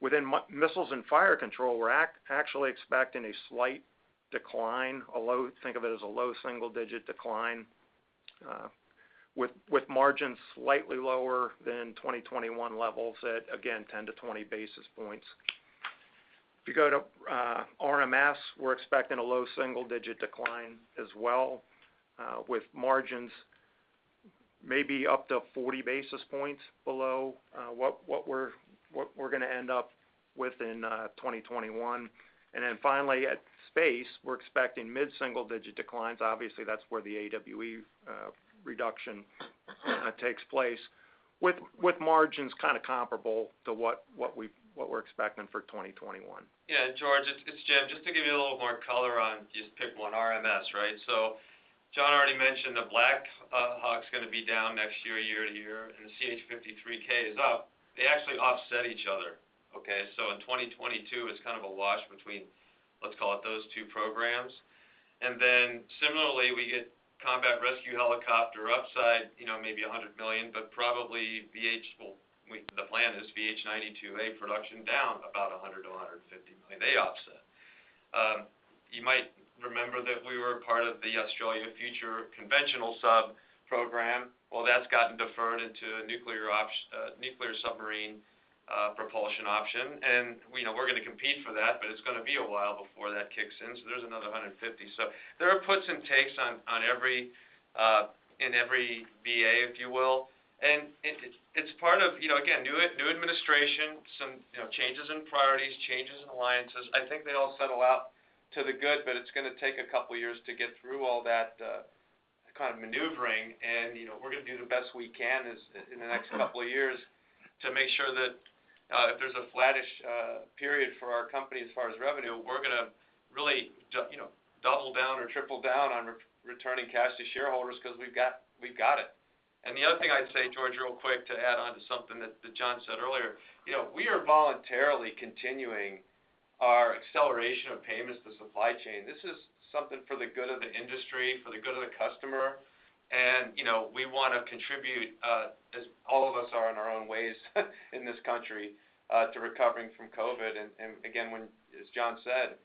Speaker 4: Within Missiles and Fire Control, we're actually expecting a slight decline, a low single digit decline with margins slightly lower than 2021 levels at, again, 10-20 basis points. If you go to RMS, we're expecting a low single-digit decline as well, with margins maybe up to 40 basis points below what we're gonna end up with in 2021. Then finally at Space, we're expecting mid-single-digit declines. Obviously, that's where the AWE reduction takes place, with margins kind of comparable to what we're expecting for 2021.
Speaker 3: Yeah. George, it's Jim. Just to give you a little more color on, just pick one, RMS, right? John already mentioned the Black Hawk's gonna be down next year-to-year, and the CH-53K is up. They actually offset each other. Okay? In 2022, it's kind of a wash between, let's call it, those two programs. Then similarly, we get Combat Rescue Helicopter upside, you know, maybe $100 million, but probably the plan is VH-92A production down about $100-$150 million. They offset. You might remember that we were part of the Australia Future Submarine Program. Well, that's gotten deferred into a nuclear submarine propulsion option. We know we're gonna compete for that, but it's gonna be a while before that kicks in, so there's another $150 million. There are puts and takes on every BA, if you will. It's part of, you know, again, new administration, some, you know, changes in priorities, changes in alliances. I think they all settle out to the good, but it's gonna take a couple of years to get through all that kind of maneuvering. You know, we're gonna do the best we can in the next couple of years to make sure that if there's a flattish period for our company as far as revenue, we're gonna really you know, double down or triple down on returning cash to shareholders 'cause we've got it. The other thing I'd say, George, real quick, to add on to something that John said earlier. You know, we are voluntarily continuing our acceleration of payments to supply chain. This is something for the good of the industry, for the good of the customer. You know, we wanna contribute, as all of us are in our own ways in this country, to recovering from COVID. Again, as John said,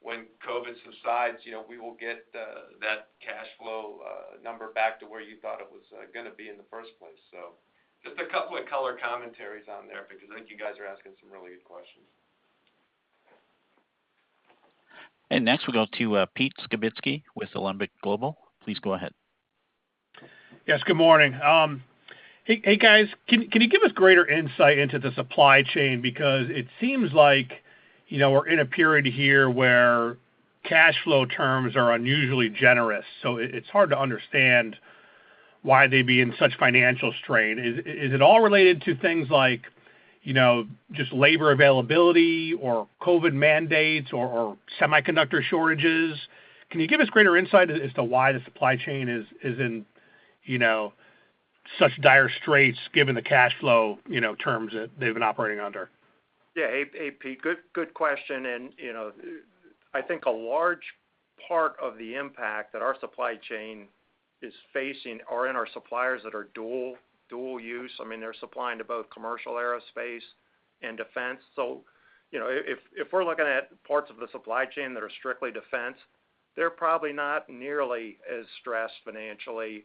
Speaker 3: when COVID subsides, you know, we will get that cash flow number back to where you thought it was gonna be in the first place. Just a couple of color commentaries on there because I think you guys are asking some really good questions.
Speaker 1: Next, we'll go to Pete Skibitski with Alembic Global. Please go ahead.
Speaker 9: Yes, good morning. Hey, guys. Can you give us greater insight into the supply chain? Because it seems like, you know, we're in a period here where cash flow terms are unusually generous, so it's hard to understand why they'd be in such financial strain. Is it all related to things like, you know, just labor availability or COVID mandates or semiconductor shortages? Can you give us greater insight as to why the supply chain is in, you know, such dire straits given the cash flow, you know, terms that they've been operating under?
Speaker 4: Yeah. Hey, Pete. Good question. You know, I think a large part of the impact that our supply chain is facing are in our suppliers that are dual-use. I mean, they're supplying to both commercial aerospace and defense. You know, if we're looking at parts of the supply chain that are strictly defense, they're probably not nearly as stressed financially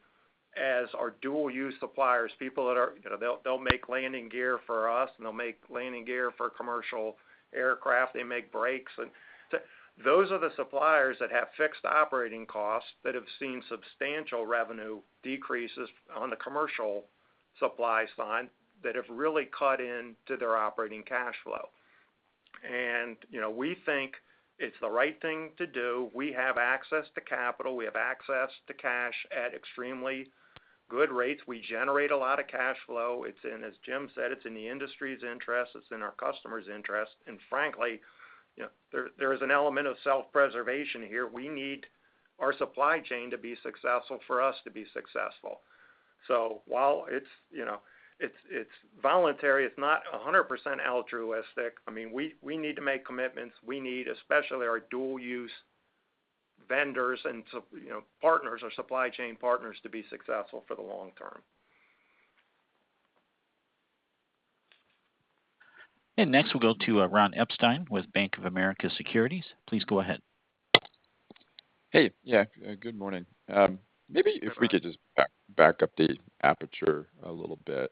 Speaker 4: as our dual-use suppliers. People that are, you know, they'll make landing gear for us, and they'll make landing gear for commercial aircraft. They make brakes. Those are the suppliers that have fixed operating costs that have seen substantial revenue decreases on the commercial supply side that have really cut into their operating cash flow. You know, we think it's the right thing to do. We have access to capital. We have access to cash at extremely good rates. We generate a lot of cash flow. It's in, as Jim said, it's in the industry's interest, it's in our customers' interest. Frankly, you know, there is an element of self-preservation here. We need our supply chain to be successful for us to be successful. While it's, you know, it's voluntary, it's not 100% altruistic. I mean, we need to make commitments. We need, especially our dual-use vendors and you know, partners, our supply chain partners to be successful for the long term.
Speaker 1: Next, we'll go to Ronald Epstein with BofA Securities. Please go ahead.
Speaker 10: Hey. Yeah, good morning. Maybe if we could just back up the aperture a little bit.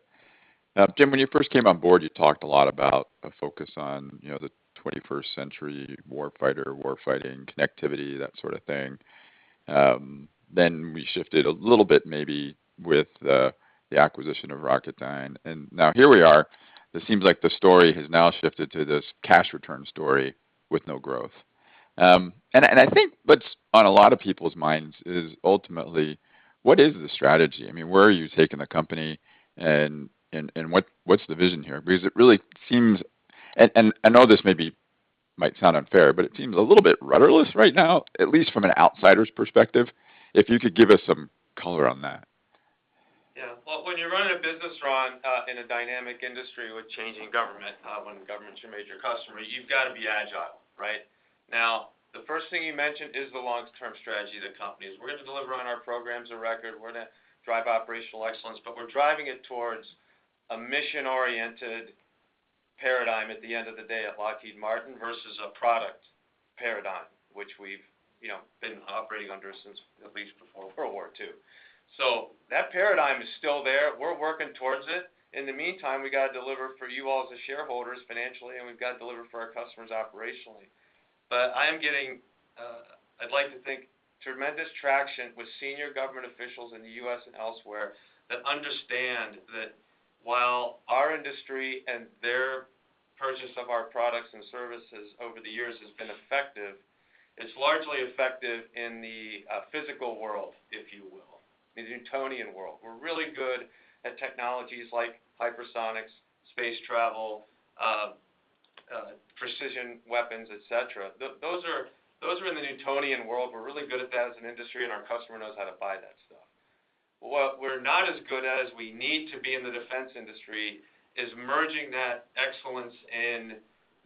Speaker 10: Jim, when you first came on board, you talked a lot about a focus on, you know, the 21st century war fighter, war fighting, connectivity, that sort of thing. Then we shifted a little bit maybe with the acquisition of Rocketdyne, and now here we are. It seems like the story has now shifted to this cash return story with no growth. I think what's on a lot of people's minds is ultimately, what is the strategy? I mean, where are you taking the company, and what is the vision here? Because it really seems, and I know this may sound unfair, but it seems a little bit rudderless right now, at least from an outsider's perspective. If you could give us some color on that.
Speaker 3: Yeah. Well, when you're running a business, Ron, in a dynamic industry with changing government, when the government's your major customer, you've got to be agile, right? Now, the first thing you mentioned is the long-term strategy of the company, is we're gonna deliver on our programs of record, we're gonna drive operational excellence, but we're driving it towards a mission-oriented paradigm at the end of the day at Lockheed Martin versus a product paradigm, which we've, you know, been operating under since at least before World War II. So that paradigm is still there. We're working towards it. In the meantime, we gotta deliver for you all as the shareholders financially, and we've got to deliver for our customers operationally. I am getting, I'd like to think, tremendous traction with senior government officials in the U.S. and elsewhere that understand that while our industry and their purchase of our products and services over the years has been effective, it's largely effective in the physical world, if you will, in the Newtonian world. We're really good at technologies like hypersonics, space travel, precision weapons, et cetera. Those are in the Newtonian world. We're really good at that as an industry, and our customer knows how to buy that stuff. What we're not as good at as we need to be in the defense industry is merging that excellence in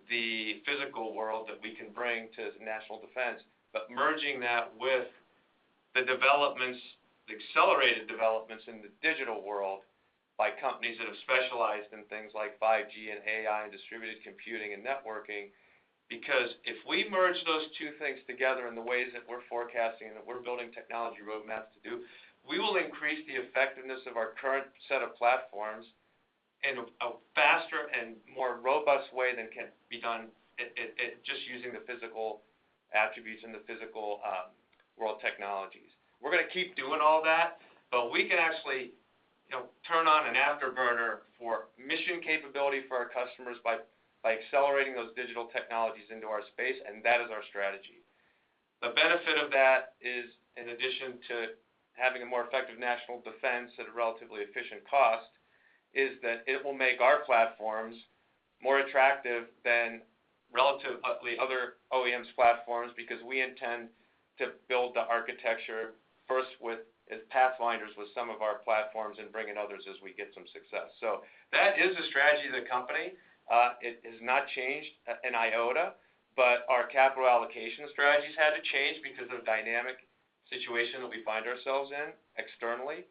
Speaker 3: the physical world that we can bring to national defense, but merging that with the developments, the accelerated developments in the digital world by companies that have specialized in things like 5G and AI and distributed computing and networking. Because if we merge those two things together in the ways that we're forecasting and that we're building technology roadmaps to do, we will increase the effectiveness of our current set of platforms in a faster and more robust way than can be done at just using the physical attributes and the physical world technologies. We're gonna keep doing all that, but we can actually, you know, turn on an afterburner for mission capability for our customers by accelerating those digital technologies into our space, and that is our strategy. The benefit of that is, in addition to having a more effective national defense at a relatively efficient cost, is that it will make our platforms more attractive than relatively other OEM's platforms because we intend to build the architecture first with, as pathfinders with some of our platforms and bring in others as we get some success. That is the strategy of the company. It has not changed an iota, but our capital allocation strategies had to change because of the dynamic situation that we find ourselves in externally.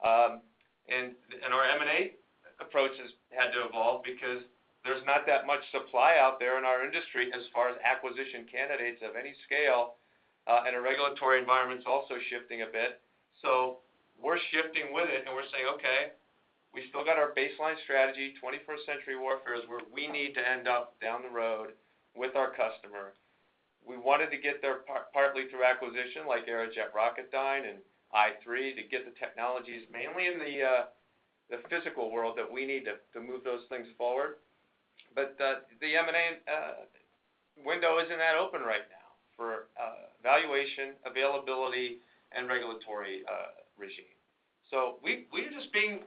Speaker 3: Our M&A approach has had to evolve because there's not that much supply out there in our industry as far as acquisition candidates of any scale, and our regulatory environment's also shifting a bit. We're shifting with it, and we're saying, "Okay, we still got our baseline strategy. 21st century warfare is where we need to end up down the road with our customer." We wanted to get there partly through acquisition, like Aerojet Rocketdyne and i3, to get the technologies mainly in the physical world that we need to move those things forward. The M&A window isn't that open right now for valuation, availability, and regulatory regime. We are just being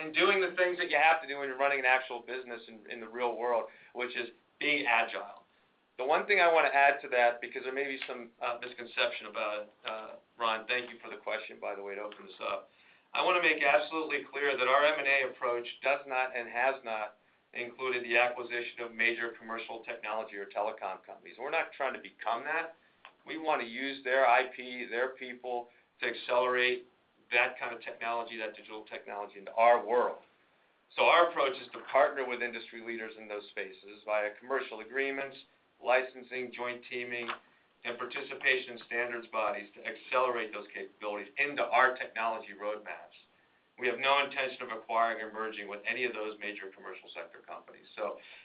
Speaker 3: and doing the things that you have to do when you're running an actual business in the real world, which is being agile. The one thing I wanna add to that, because there may be some misconception about it, Ron, thank you for the question, by the way, to open this up. I wanna make absolutely clear that our M&A approach does not and has not included the acquisition of major commercial technology or telecom companies. We're not trying to become that. We wanna use their IP, their people to accelerate that kind of technology, that digital technology into our world. Our approach is to partner with industry leaders in those spaces via commercial agreements, licensing, joint teaming, and participation in standards bodies to accelerate those capabilities into our technology roadmaps. We have no intention of acquiring or merging with any of those major commercial sector companies.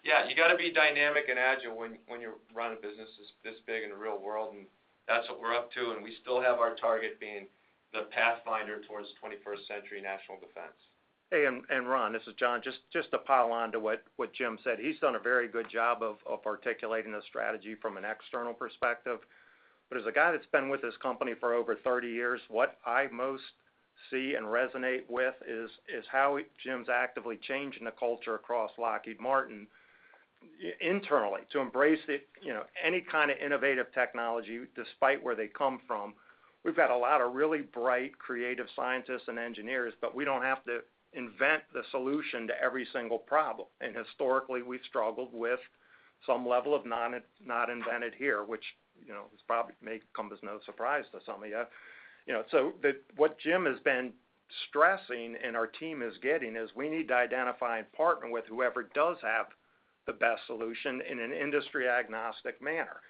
Speaker 3: Yeah, you gotta be dynamic and agile when you run a business this big in the real world, and that's what we're up to, and we still have our target being the pathfinder towards twenty-first century national defense.
Speaker 4: Hey, and Ron, this is John. Just to pile on to what Jim said, he's done a very good job of articulating the strategy from an external perspective. As a guy that's been with this company for over 30 years, what I most see and resonate with is how Jim's actively changing the culture across Lockheed Martin internally to embrace the, you know, any kind of innovative technology despite where they come from. We've got a lot of really bright, creative scientists and engineers, but we don't have to invent the solution to every single problem. Historically, we've struggled with some level of not invented here, which, you know, this probably may come as no surprise to some of you. You know, what Jim has been stressing and our team is getting is we need to identify and partner with whoever does have the best solution in an industry agnostic manner.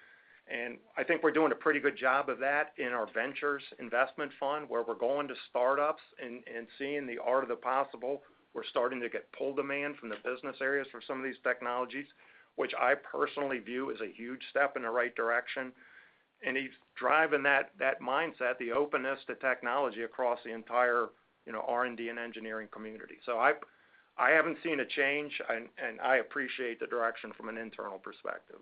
Speaker 4: I think we're doing a pretty good job of that in our ventures investment fund, where we're going to startups and seeing the art of the possible. We're starting to get pull demand from the business areas for some of these technologies, which I personally view as a huge step in the right direction. He's driving that mindset, the openness to technology across the entire, you know, R&D and engineering community. I haven't seen a change, and I appreciate the direction from an internal perspective.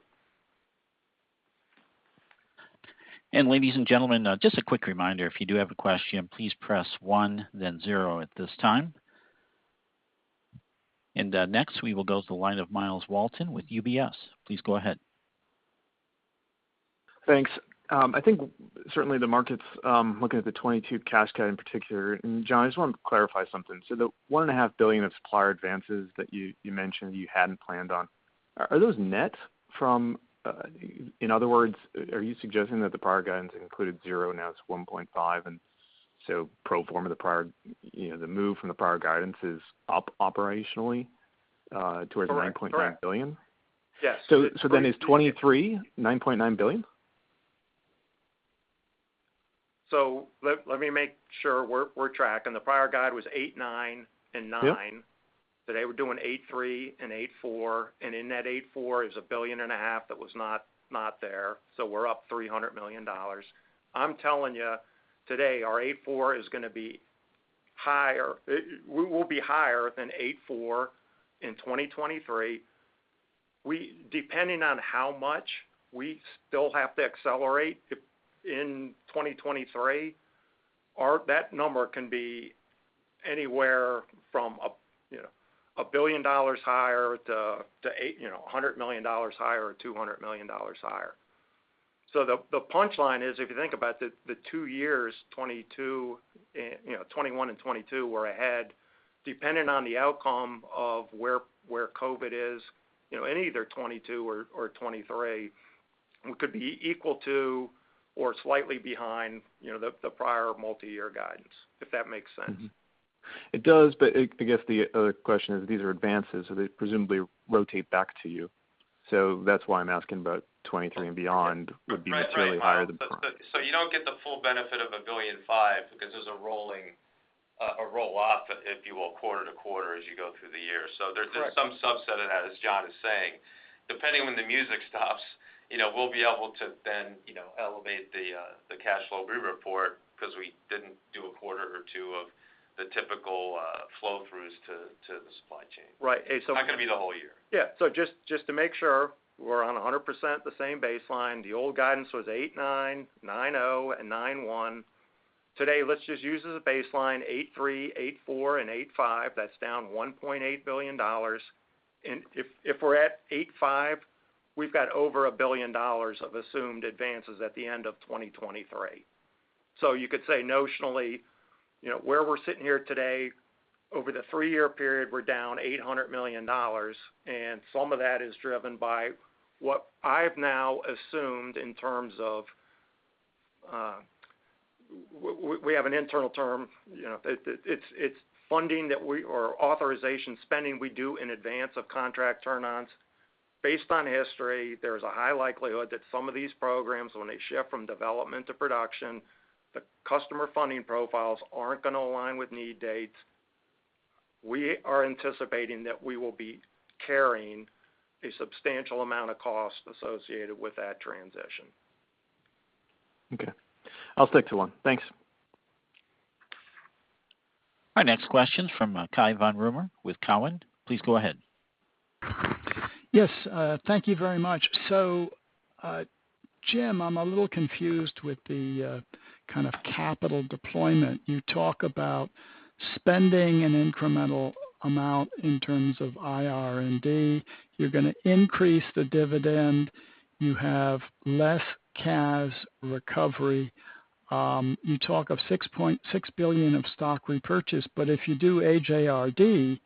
Speaker 1: Ladies and gentlemen, just a quick reminder, if you do have a question, please press one then zero at this time. Next, we will go to the line of Myles Walton with UBS. Please go ahead.
Speaker 11: Thanks. I think certainly the markets looking at the 22 CAS in particular, and John, I just wanted to clarify something. So the $1.5 billion of supplier advances that you mentioned you hadn't planned on, are that net from, in other words, are you suggesting that the prior guidance included zero, now it's 1.5, and so pro forma the prior, you know, the move from the prior guidance is up operationally towards the $9.9 billion?
Speaker 4: Correct. Yes.
Speaker 11: 2023, $9.9 billion?
Speaker 4: Let me make sure we're tracking. The prior guide was 89 and 9.
Speaker 11: Yeah.
Speaker 4: Today we're doing 2023 and 2024, and in that 2024 is $1.5 billion that was not there. We're up $300 million. I'm telling you today, our 2024 is gonna be higher. We will be higher than 2024 in 2023. Depending on how much we still have to accelerate if in 2023, that number can be anywhere from, you know, $1 billion higher to, say, you know, $100 million higher or $200 million higher. The punchline is, if you think about the two years, 2022, you know, 2021 and 2022 were ahead, depending on the outcome of where COVID is, you know, in either 2022 or 2023, we could be equal to or slightly behind, you know, the prior multi-year guidance, if that makes sense. It does, but I guess the other question is these are advances, so they presumably rotate back to you.
Speaker 11: That's why I'm asking about 2023 and beyond would be materially higher than right.
Speaker 3: You don't get the full benefit of $1.5 billion because there's a rolling roll-off, if you will, quarter to quarter as you go through the year.
Speaker 4: Correct.
Speaker 3: There's some subset of that, as John is saying. Depending on when the music stops, you know, we'll be able to then, you know, elevate the cash flow we report because we didn't do a quarter or two of the typical flowthroughs to the supply chain.
Speaker 4: Right.
Speaker 3: Not gonna be the whole year.
Speaker 4: Yeah. Just to make sure we're on 100% the same baseline, the old guidance was $8.9 billion, $9.0 billion and $9.1 billion. Today, let's just use as a baseline $8.3 billion, $8.4 billion, and $8.5 billion. That's down $1.8 billion. If we're at 8.5, we've got over $1 billion of assumed advances at the end of 2023. You could say notionally, you know, where we're sitting here today, over the three-year period, we're down $800 million, and some of that is driven by what I've now assumed in terms of. We have an internal term, you know. It's funding or authorization spending we do in advance of contract turn-ons. Based on history, there's a high likelihood that some of these programs, when they shift from development to production, the customer funding profiles aren't gonna align with need dates. We are anticipating that we will be carrying a substantial amount of cost associated with that transition.
Speaker 11: Okay. I'll stick to one. Thanks.
Speaker 1: Our next question from Cai von Rumohr with Cowen. Please go ahead.
Speaker 12: Yes, thank you very much. Jim, I'm a little confused with the kind of capital deployment. You talk about spending an incremental amount in terms of IR&D. You're gonna increase the dividend. You have less CAS recovery. You talk of $6.6 billion of stock repurchase, but if you do AJRD,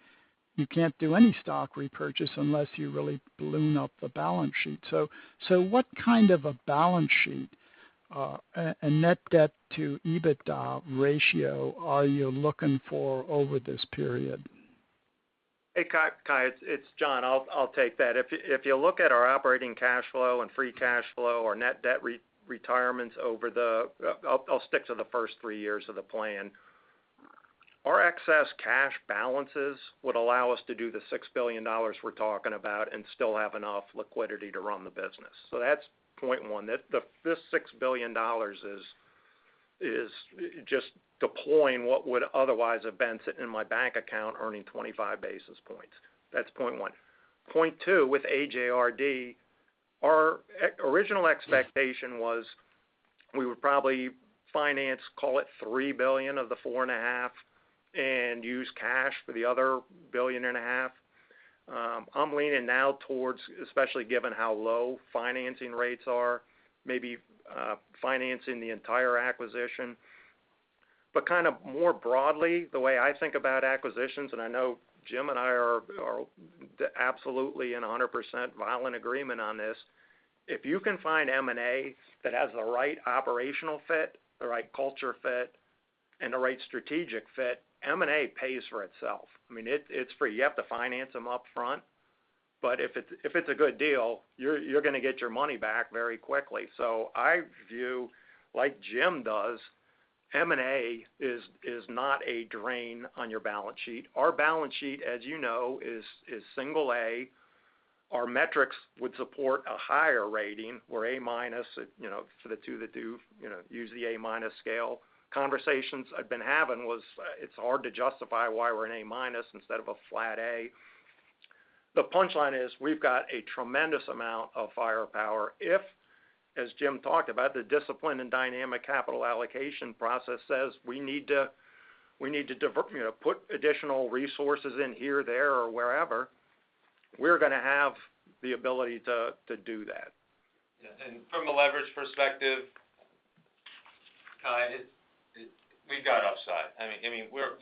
Speaker 12: you can't do any stock repurchase unless you really balloon up the balance sheet. What kind of a balance sheet and net debt to EBITDA ratio are you looking for over this period?
Speaker 4: Hey, Cai, it's John. I'll take that. If you look at our operating cash flow and free cash flow or net debt retirements over the first three years of the plan. Our excess cash balances would allow us to do the $6 billion we're talking about and still have enough liquidity to run the business. That's point one. This $6 billion is just deploying what would otherwise have been sitting in my bank account earning 25 basis points. That's point one. Point two, with AJRD, our original expectation was we would probably finance, call it, $3 billion of the $4.5 billion and use cash for the other $1.5 billion. I'm leaning now towards, especially given how low financing rates are, maybe financing the entire acquisition. Kind of more broadly, the way I think about acquisitions, and I know Jim and I are absolutely and 100% violent agreement on this, if you can find M&A that has the right operational fit, the right culture fit, and the right strategic fit, M&A pays for itself. I mean, it's free. You have to finance them up front, but if it's a good deal, you're gonna get your money back very quickly. I view, like Jim does, M&A is not a drain on your balance sheet. Our balance sheet, as you know, is single A. Our metrics would support a higher rating or A-, you know, for the two that do, you know, use the A minus scale. Conversations I've been having was, it's hard to justify why we're an A minus instead of a flat A. The punchline is, we've got a tremendous amount of firepower. If, as Jim talked about, the discipline and dynamic capital allocation process says we need to divert, you know, put additional resources in here, there, or wherever, we're gonna have the ability to do that.
Speaker 3: Yeah. From a leverage perspective, Cai, it, we've got upside. I mean, I mean, we're,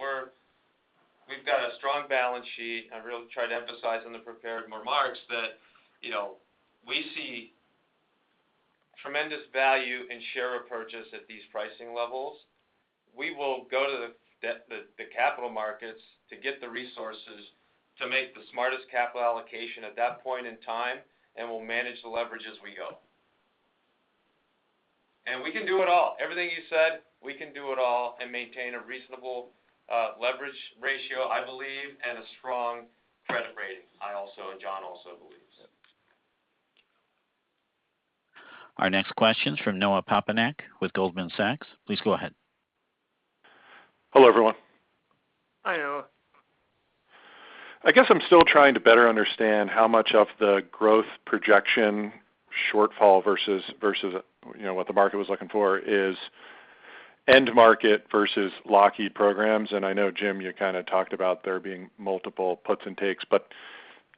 Speaker 3: we've got a strong balance sheet. I really tried to emphasize on the prepared remarks that, you know, we see tremendous value in share repurchase at these pricing levels. We will go to the capital markets to get the resources to make the smartest capital allocation at that point in time, and we'll manage the leverage as we go. We can do it all. Everything you said, we can do it all and maintain a reasonable leverage ratio, I believe, and a strong credit rating. I also and John also believes.
Speaker 1: Our next question is from Noah Poponak with Goldman Sachs. Please go ahead.
Speaker 13: Hello, everyone.
Speaker 4: Hi, Noah.
Speaker 13: I guess I'm still trying to better understand how much of the growth projection shortfall versus you know what the market was looking for is end market versus Lockheed programs. I know, Jim, you kind of talked about there being multiple puts and takes, but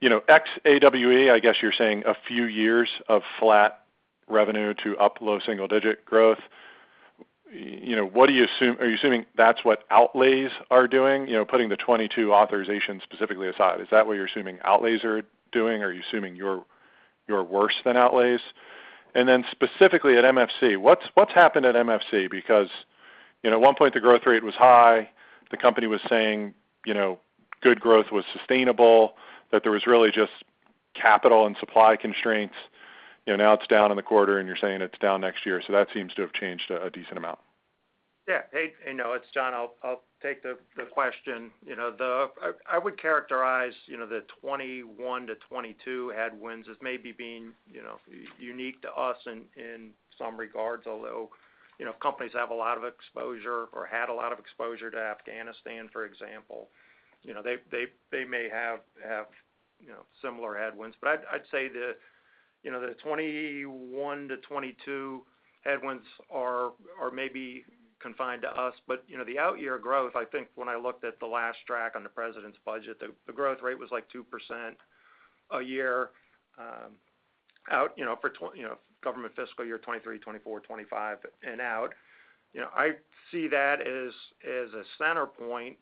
Speaker 13: you know ex-AWE I guess you're saying a few years of flat revenue to low-end single-digit growth. You know what do you assume, are you assuming that's what outlays are doing? You know putting the 2022 authorization specifically aside, is that what you're assuming outlays are doing, or are you assuming you're worse than outlays? Specifically at MFC, what's happened at MFC? Because you know at one point the growth rate was high. The company was saying you know good growth was sustainable, that there was really just capital and supply constraints. You know, now it's down in the quarter and you're saying it's down next year, so that seems to have changed a decent amount.
Speaker 4: Yeah. Hey, Noah, it's John. I'll take the question. You know, I would characterize the 2021 to 2022 headwinds as maybe being unique to us in some regards, although companies have a lot of exposure or had a lot of exposure to Afghanistan, for example. You know, they may have similar headwinds. I'd say the 2021 to 2022 headwinds are maybe confined to us. You know, the out-year growth, I think when I looked at the last track on the president's budget, the growth rate was like 2% a year out for government fiscal year 2023, 2024, 2025 and out. You know, I see that as a center point.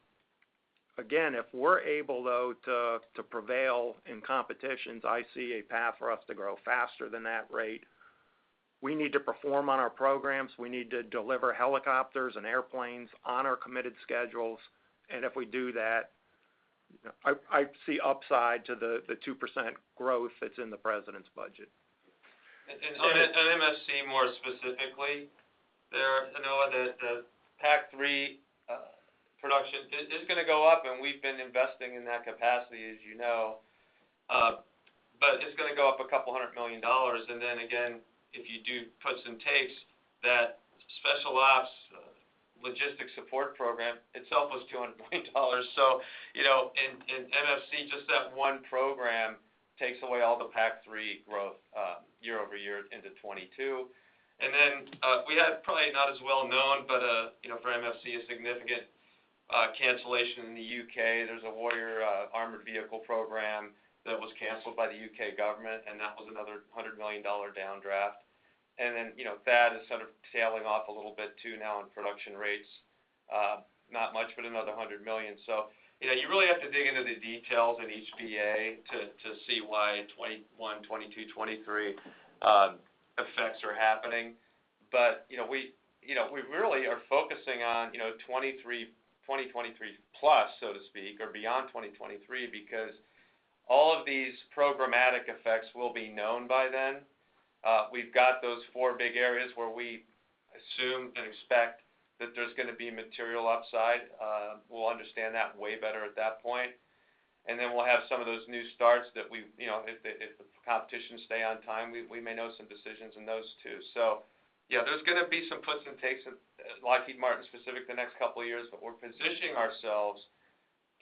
Speaker 4: Again, if we're able to prevail in competitions, I see a path for us to grow faster than that rate. We need to perform on our programs. We need to deliver helicopters and airplanes on our committed schedules. If we do that, you know, I see upside to the 2% growth that's in the president's budget.
Speaker 3: On MFC more specifically, you know, the PAC-3 production is gonna go up, and we've been investing in that capacity, as you know. It's gonna go up a couple $100 million. Again, if you do puts and takes, that special ops logistics support program itself was $200 million. You know, in MFC, just that one program takes away all the PAC-3 growth year-over-year into 2022. We had probably not as well-known, you know, for MFC, a significant cancellation in the U.K. There's a Warrior armored vehicle program that was canceled by the U.K. government, and that was another $100 million downdraft. You know, that is sort of tailing off a little bit too now in production rates. Not much, but another $100 million. You know, you really have to dig into the details in each BA to see why 2021, 2022, 2023 effects are happening. You know, we really are focusing on 2023+, so to speak, or beyond 2023, because all of these programmatic effects will be known by then. We've got those four big areas where we assume and expect that there's gonna be material upside. We'll understand that way better at that point. We'll have some of those new starts that we, you know, if the competitions stay on time, we may know some decisions in those two. Yeah, there's gonna be some puts and takes at Lockheed Martin, specifically the next couple of years, but we're positioning ourselves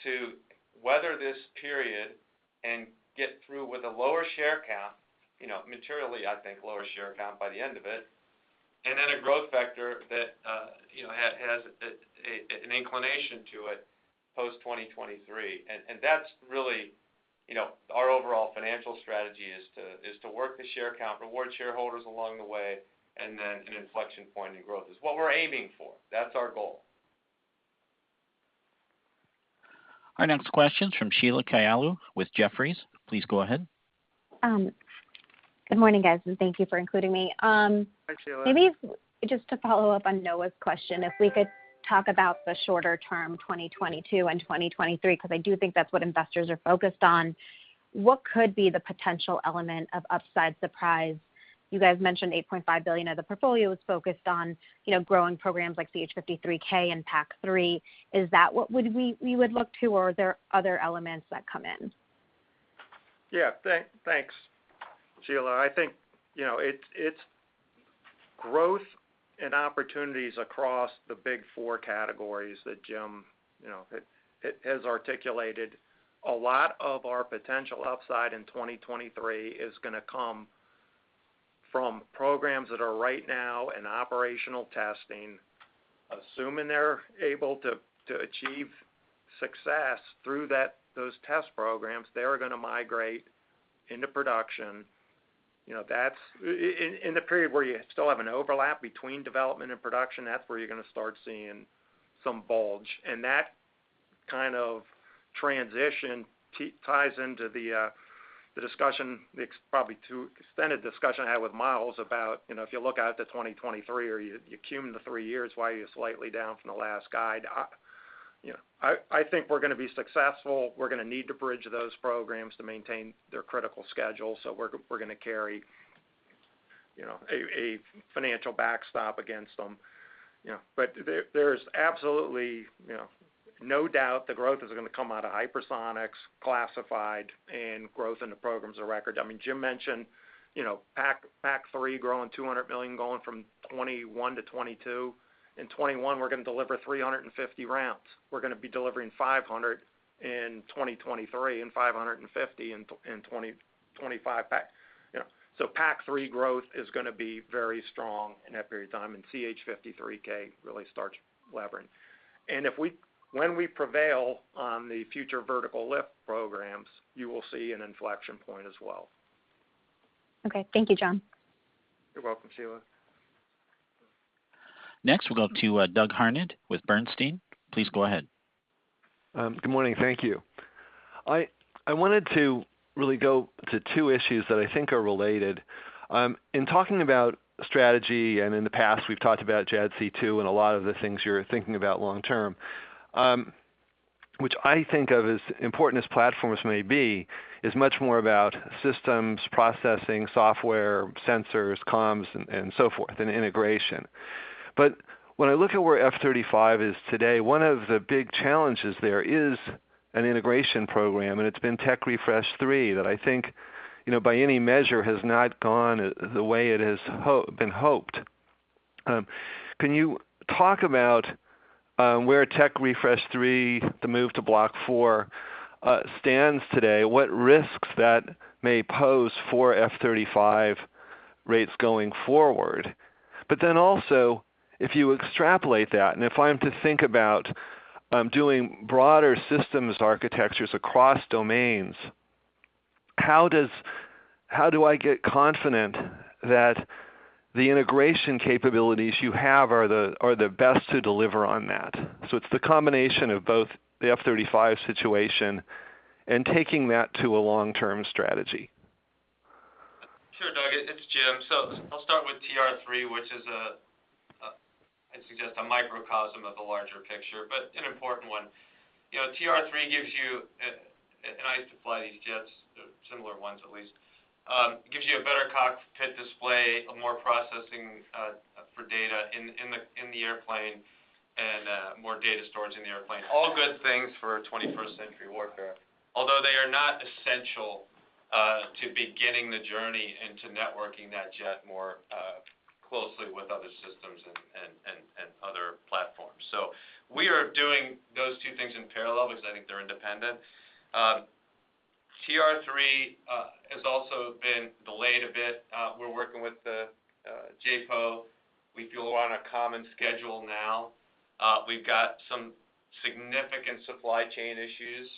Speaker 3: to weather this period and get through with a lower share count, you know, materially, I think, lower share count by the end of it. Then a growth vector that, you know, has an inclination to it post-2023. That's really, you know, our overall financial strategy is to work the share count, reward shareholders along the way, and then an inflection point in growth is what we're aiming for. That's our goal.
Speaker 1: Our next question is from Sheila Kahyaoglu with Jefferies. Please go ahead.
Speaker 14: Good morning, guys, and thank you for including me.
Speaker 3: Hi, Sheila.
Speaker 14: Maybe just to follow up on Noah's question, if we could talk about the shorter term, 2022 and 2023, 'cause I do think that's what investors are focused on. What could be the potential element of upside surprise? You guys mentioned $8.5 billion of the portfolio was focused on, you know, growing programs like CH-53K and PAC-3. Is that what we would look to, or are there other elements that come in?
Speaker 4: Thanks, Sheila. I think, you know, it's growth and opportunities across the big four categories that Jim, you know, has articulated. A lot of our potential upside in 2023 is gonna come from programs that are right now in operational testing. Assuming they're able to achieve success through those test programs, they are gonna migrate into production. You know, that's in the period where you still have an overlap between development and production, that's where you're gonna start seeing some bulge. That kind of transition ties into the discussion, the probably too extended discussion I had with Myles about, you know, if you look out to 2023 or you cum the three years, why are you slightly down from the last guide? You know, I think we're gonna be successful. We're gonna need to bridge those programs to maintain their critical schedule, so we're gonna carry, you know, a financial backstop against them, you know. There is absolutely, you know. No doubt the growth is gonna come out of hypersonics, classified, and growth in the programs of record. I mean, Jim mentioned, you know, PAC-3 growing $200 million, going from 2021 to 2022. In 2021, we're gonna deliver 350 rounds. We're gonna be delivering 500 in 2023 and 550 in 2025. You know. So, PAC-3 growth is gonna be very strong in that period of time, and CH-53K really starts delivering. When we prevail on the Future Vertical Lift programs, you will see an inflection point as well.
Speaker 14: Okay. Thank you, John.
Speaker 3: You're welcome, Sheila.
Speaker 1: Next, we'll go to, Douglas Harned with Sanford C. Bernstein & Co.. Please go ahead.
Speaker 15: Good morning. Thank you. I wanted to really go to two issues that I think are related. In talking about strategy and in the past, we've talked about JADC2 and a lot of the things you're thinking about long term, which I think of as important as platforms may be, is much more about systems, processing, software, sensors, comms, and so forth, and integration. But when I look at where F-35 is today, one of the big challenges there is an integration program, and it's been Technology Refresh three that I think, you know, by any measure, has not gone the way it has been hoped. Can you talk about where Technology Refresh 3, the move to Block four, stands today? What risks that may pose for F-35 rates going forward? Also, if you extrapolate that, and if I'm to think about doing broader systems architectures across domains, how do I get confident that the integration capabilities you have are the best to deliver on that? It's the combination of both the F-35 situation and taking that to a long-term strategy.
Speaker 3: Sure, Doug. It's Jim. I'll start with TR3, which is a, I'd suggest, a microcosm of the larger picture, but an important one. You know, TR3 gives you, and I used to fly these jets, similar ones at least, gives you a better cockpit display, more processing for data in the airplane and more data storage in the airplane. All good things for 21st-century warfare. Although they are not essential to beginning the journey into networking that jet more closely with other systems and other platforms. We are doing those two things in parallel because I think they're independent. TR3 has also been delayed a bit. We're working with the JPO. We feel we're on a common schedule now. We've got some significant supply chain issues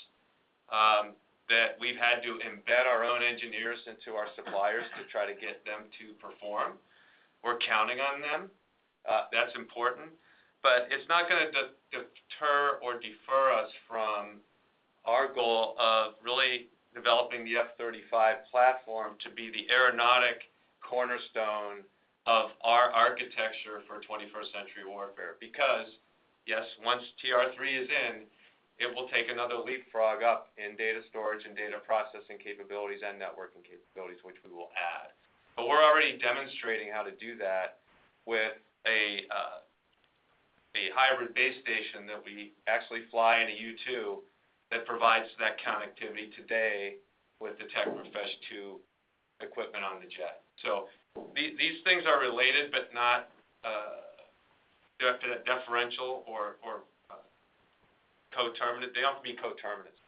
Speaker 3: that we've had to embed our own engineers into our suppliers to try to get them to perform. We're counting on them. That's important. It's not gonna deter or defer us from our goal of really developing the F-35 platform to be the aeronautical cornerstone of our architecture for 21st century warfare. Yes, once TR3 is in, it will take another leapfrog up in data storage and data processing capabilities and networking capabilities, which we will add. We're already demonstrating how to do that with a hybrid base station that we actually fly in a U-2 that provides that connectivity today with the Tech Refresh two equipment on the jet. These things are related but not detrimental or co-terminated. They don't have to be co-terminated.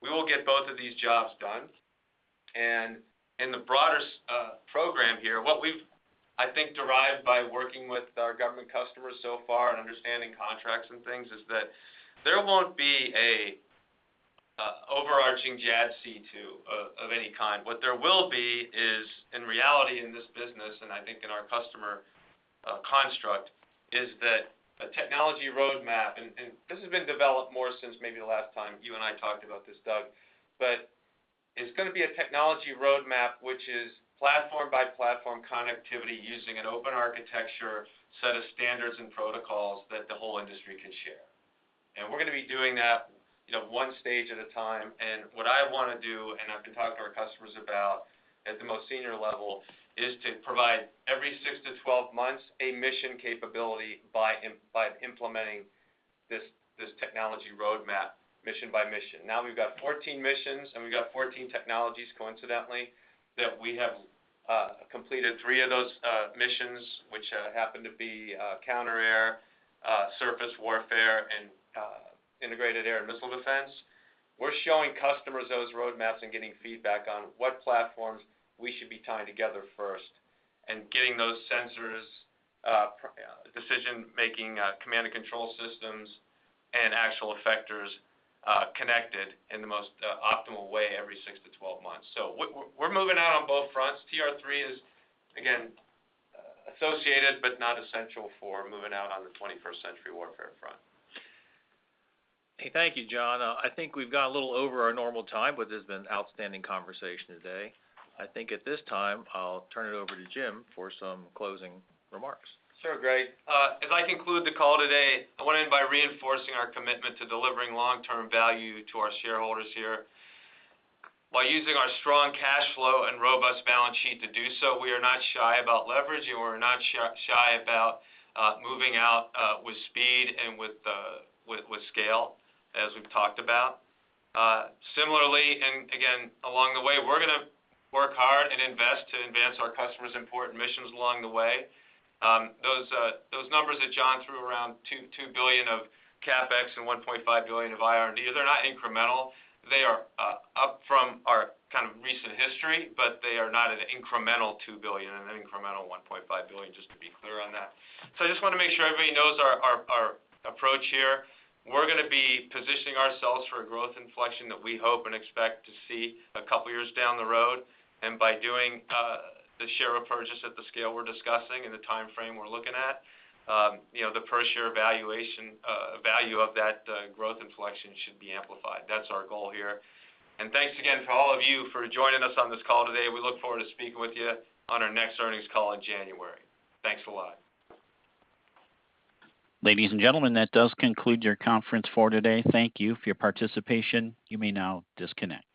Speaker 3: We will get both of these jobs done. In the broader program here, what we've, I think, derived by working with our government customers so far and understanding contracts and things is that there won't be an overarching JADC2 of any kind. What there will be is, in reality in this business, and I think in our customer construct, is that a technology roadmap, and this has been developed more since maybe the last time you and I talked about this, Doug Harned, but it's gonna be a technology roadmap which is platform by platform connectivity using an open architecture set of standards and protocols that the whole industry can share. We're gonna be doing that, you know, one stage at a time. What I wanna do, and I've been talking to our customers about at the most senior level, is to provide every six to 12 months a mission capability by implementing this technology roadmap mission by mission. Now we've got 14 missions, and we've got 14 technologies, coincidentally, that we have completed three of those missions, which happen to be counter-air, surface warfare, and integrated air and missile defense. We're showing customers those roadmaps and getting feedback on what platforms we should be tying together first and getting those sensors, decision-making, command and control systems and actual effectors connected in the most optimal way every six to 12 months. We're moving out on both fronts. TR3 is again associated but not essential for moving out on the twenty-first century warfare front.
Speaker 2: Hey, thank you, John. I think we've gone a little over our normal time, but this has been outstanding conversation today. I think at this time, I'll turn it over to Jim for some closing remarks.
Speaker 3: Sure, Greg. As I conclude the call today, I want to end by reinforcing our commitment to delivering long-term value to our shareholders here. While using our strong cash flow and robust balance sheet to do so, we are not shy about leveraging, we're not shy about moving out with speed and with scale, as we've talked about. Similarly, again, along the way, we're gonna work hard and invest to advance our customers' important missions along the way. Those numbers that John threw around, $2 billion of CapEx and $1.5 billion of R&D, they're not incremental. They are up from our kind of recent history, but they are not an incremental $2 billion and an incremental $1.5 billion, just to be clear on that. I just want to make sure everybody knows our approach here. We're going to be positioning ourselves for a growth inflection that we hope and expect to see a couple of years down the road. By doing the share repurchase at the scale we're discussing and the timeframe we're looking at, the per share value of that growth inflection should be amplified. That's our goal here. Thanks again to all of you for joining us on this call today. We look forward to speaking with you on our next earnings call in January. Thanks a lot.
Speaker 1: Ladies and gentlemen, that does conclude your conference for today. Thank you for your participation. You may now disconnect.